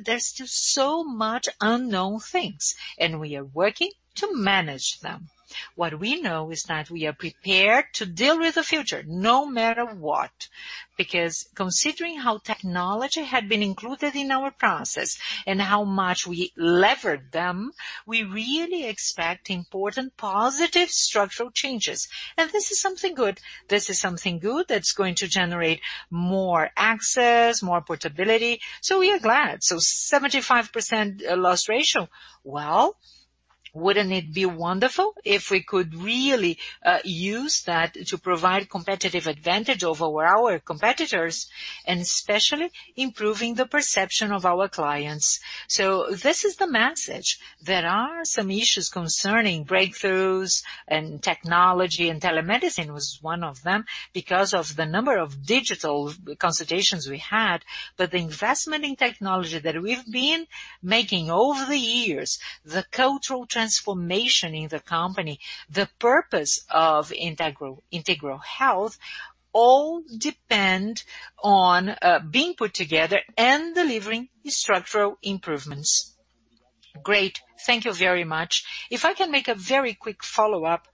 There's just so much unknown things, and we are working to manage them. What we know is that we are prepared to deal with the future no matter what, because considering how technology had been included in our process and how much we levered them, we really expect important, positive structural changes. This is something good. This is something good that's going to generate more access, more portability. We are glad. 75% loss ratio. Well, wouldn't it be wonderful if we could really use that to provide competitive advantage over our competitors, and especially improving the perception of our clients. This is the message. There are some issues concerning breakthroughs and technology, and telemedicine was one of them because of the number of digital consultations we had. The investment in technology that we've been making over the years, the cultural transformation in the company, the purpose of integral health, all depend on being put together and delivering structural improvements. Great. Thank you very much. If I can make a very quick follow-up.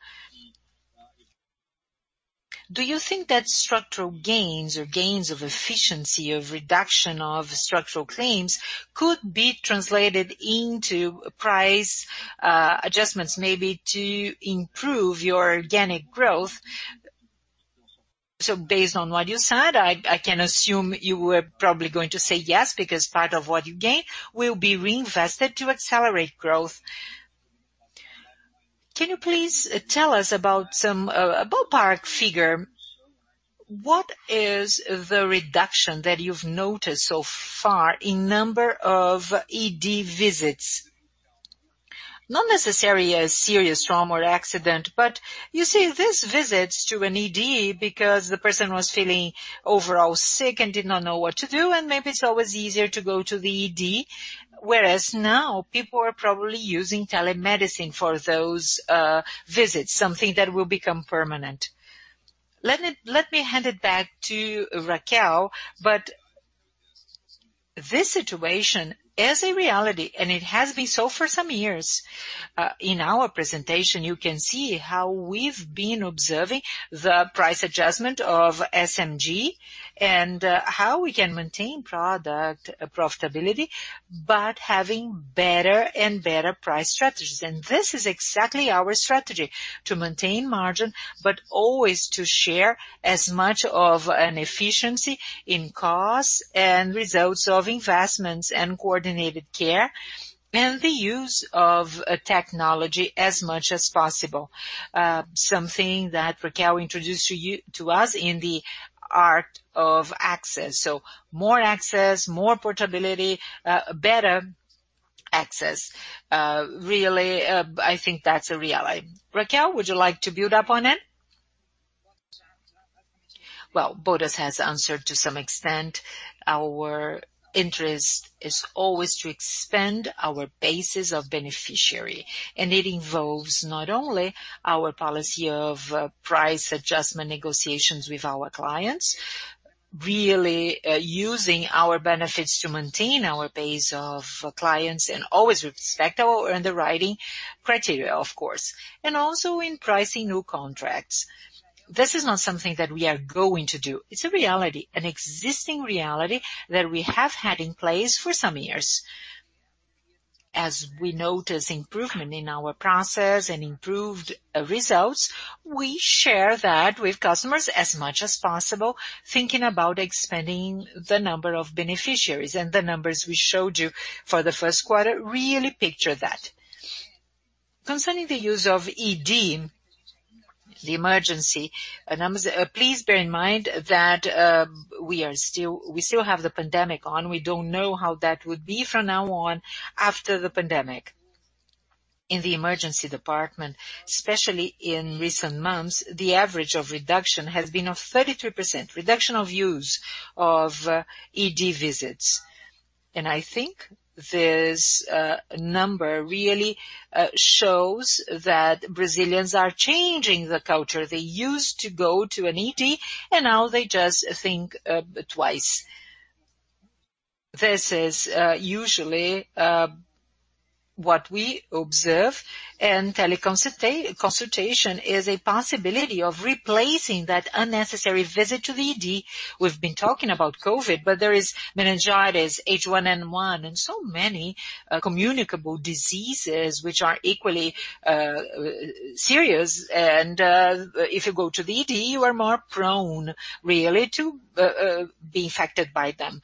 Do you think that structural gains or gains of efficiency of reduction of structural claims could be translated into price adjustments maybe to improve your organic growth? Based on what you said, I can assume you were probably going to say yes, because part of what you gain will be reinvested to accelerate growth. Can you please tell us about some ballpark figure? What is the reduction that you've noticed so far in number of ED visits? Not necessarily a serious trauma or accident, but you see these visits to an ED because the person was feeling overall sick and did not know what to do, and maybe it's always easier to go to the ED. Now, people are probably using telemedicine for those visits, something that will become permanent. Let me hand it back to Raquel. This situation is a reality, and it has been so for some years. In our presentation, you can see how we've been observing the price adjustment of SMG and how we can maintain product profitability, but having better and better price strategies. This is exactly our strategy: to maintain margin, but always to share as much of an efficiency in costs and results of investments and coordinated care, and the use of technology as much as possible. Something that Raquel introduced to us in the AxisMed. More access, more portability, better access. Really, I think that's a reality. Raquel, would you like to build upon it? Well, Bottas has answered to some extent. Our interest is always to expand our bases of beneficiary. It involves not only our policy of price adjustment negotiations with our clients, really using our benefits to maintain our base of clients and always respect our underwriting criteria, of course, and also in pricing new contracts. This is not something that we are going to do. It's a reality, an existing reality that we have had in place for some years. As we notice improvement in our process and improved results, we share that with customers as much as possible, thinking about expanding the number of beneficiaries. The numbers we showed you for the first quarter really picture that. Concerning the use of ED, the emergency, please bear in mind that we still have the pandemic on. We don't know how that would be from now on after the pandemic. In the emergency department, especially in recent months, the average of reduction has been of 33%, reduction of use of ED visits. I think this number really shows that Brazilians are changing the culture. They used to go to an ED, and now they just think twice. This is usually what we observe, teleconsultation is a possibility of replacing that unnecessary visit to the ED. We've been talking about COVID, but there is meningitis, H1N1, and so many communicable diseases which are equally serious. If you go to the ED, you are more prone, really, to be infected by them.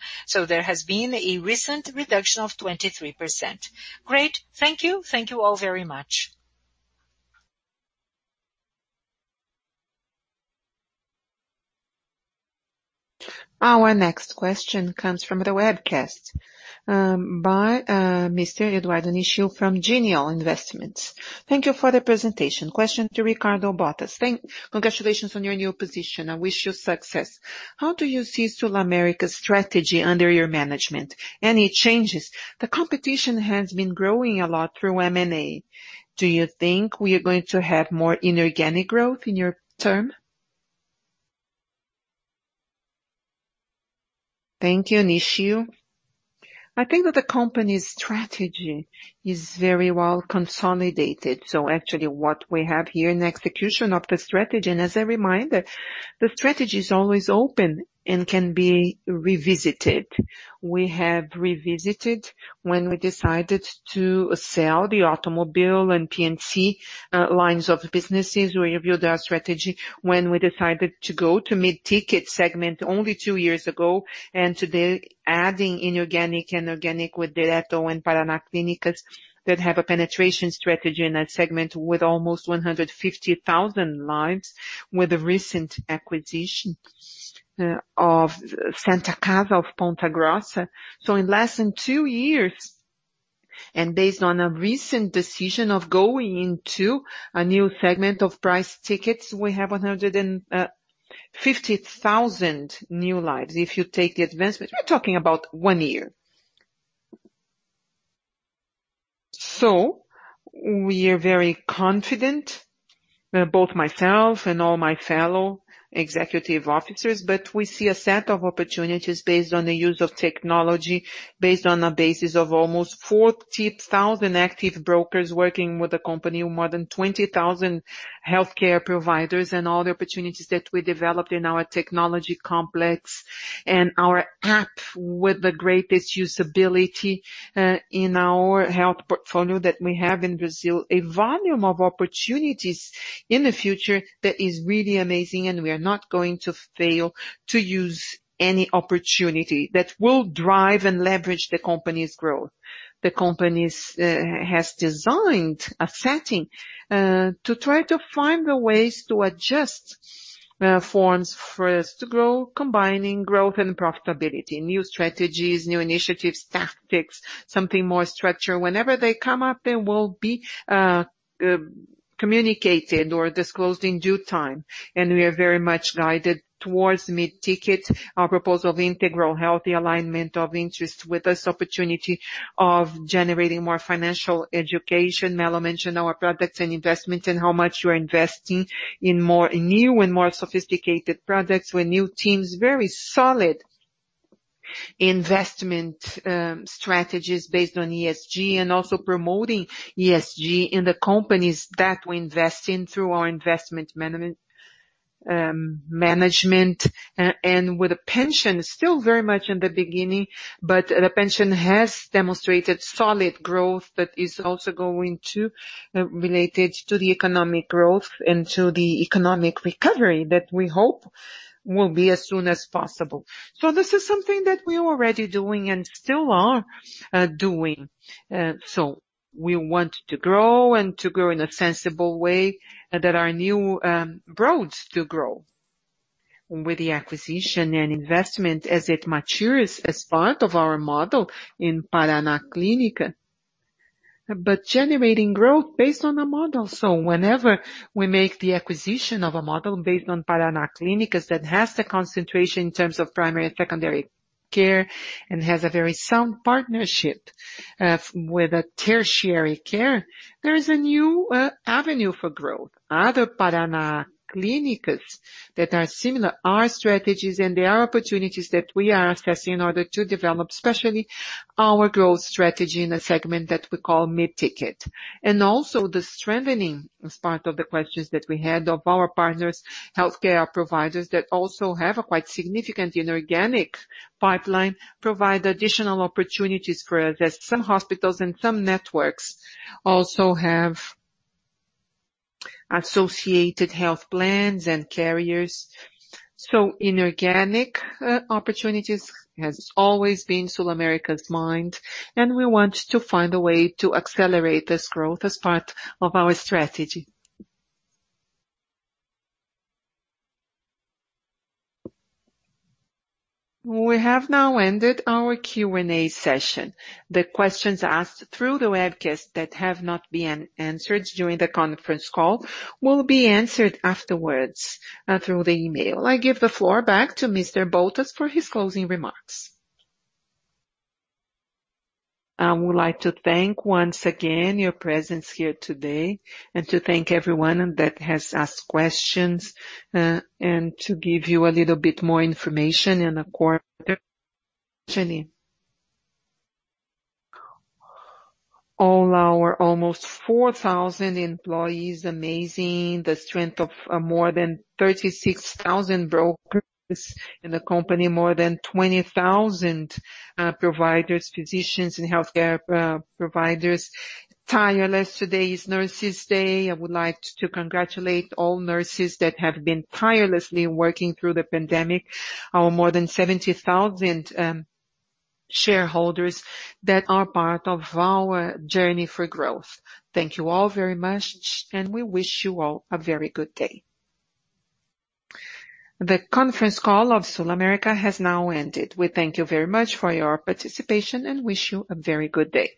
There has been a recent reduction of 23%. Great. Thank you. Thank you all very much. Our next question comes from the webcast by Mr. Eduardo Nishio from Genial Investimentos. Thank you for the presentation. Question to Ricardo Bottas. Congratulations on your new position. I wish you success. How do you see SulAmérica's strategy under your management? Any changes? The competition has been growing a lot through M&A. Do you think we are going to have more inorganic growth in your term? Thank you, Nishio. I think that the company's strategy is very well consolidated. Actually, what we have here in execution of the strategy, as a reminder, the strategy is always open and can be revisited. We have revisited when we decided to sell the Auto and P&C lines of businesses. We reviewed our strategy when we decided to go to mid-ticket segment only two years ago, and today adding inorganic and organic with Direto and Paraná Clínicas that have a penetration strategy in that segment with almost 150,000 lives with the recent acquisition of Santa Casa of Ponta Grossa. In less than two years, and based on a recent decision of going into a new segment of price tickets, we have 150,000 new lives. If you take the advancement, we're talking about one year. We are very confident, both myself and all my fellow executive officers, we see a set of opportunities based on the use of technology, based on a basis of almost 40,000 active brokers working with the company, more than 20,000 healthcare providers, and all the opportunities that we developed in our technology complex and our app with the greatest usability in our health portfolio that we have in Brazil. A volume of opportunities in the future that is really amazing, we are not going to fail to use any opportunity that will drive and leverage the company's growth. The company has designed a setting to try to find the ways to adjust forms for us to grow, combining growth and profitability, new strategies, new initiatives, tactics, something more structured. Whenever they come up, they will be communicated or disclosed in due time. We are very much guided towards mid-ticket, our proposal of integral healthy alignment of interest with this opportunity of generating more financial education. Mello mentioned our products and investments and how much we're investing in more new and more sophisticated products. We're a new team, very solid investment strategies based on ESG and also promoting ESG in the companies that we invest in through our investment management. With the pension, still very much in the beginning, but the pension has demonstrated solid growth that is also going to relate to the economic growth and to the economic recovery that we hope will be as soon as possible. This is something that we're already doing and still are doing. We want to grow and to grow in a sensible way, that are new roads to grow. With the acquisition and investment as it matures as part of our model in Paraná Clínicas, but generating growth based on a model. Whenever we make the acquisition of a model based on Paraná Clínicas that has the concentration in terms of primary and secondary care and has a very sound partnership with the tertiary care, there is a new avenue for growth. Other Paraná Clínicas that are similar, our strategies and there are opportunities that we are assessing in order to develop, especially our growth strategy in a segment that we call mid-ticket. Also the strengthening, as part of the questions that we had of our partners, healthcare providers that also have a quite significant inorganic pipeline, provide additional opportunities for us. Some hospitals and some networks also have associated health plans and carriers. Inorganic opportunities has always been SulAmérica's mind, and we want to find a way to accelerate this growth as part of our strategy. We have now ended our Q&A session. The questions asked through the webcast that have not been answered during the conference call will be answered afterwards through the email. I give the floor back to Mr. Bottas for his closing remarks. I would like to thank once again your presence here today and to thank everyone that has asked questions, and to give you a little bit more information in the quarter, actually. All our almost 4,000 employees, amazing. The strength of more than 36,000 brokers in the company, more than 20,000 providers, physicians and healthcare providers, tireless, today is Nurses Day. I would like to congratulate all nurses that have been tirelessly working through the pandemic. Our more than 70,000 shareholders that are part of our journey for growth. Thank you all very much, and we wish you all a very good day. The conference call of SulAmérica has now ended. We thank you very much for your participation and wish you a very good day.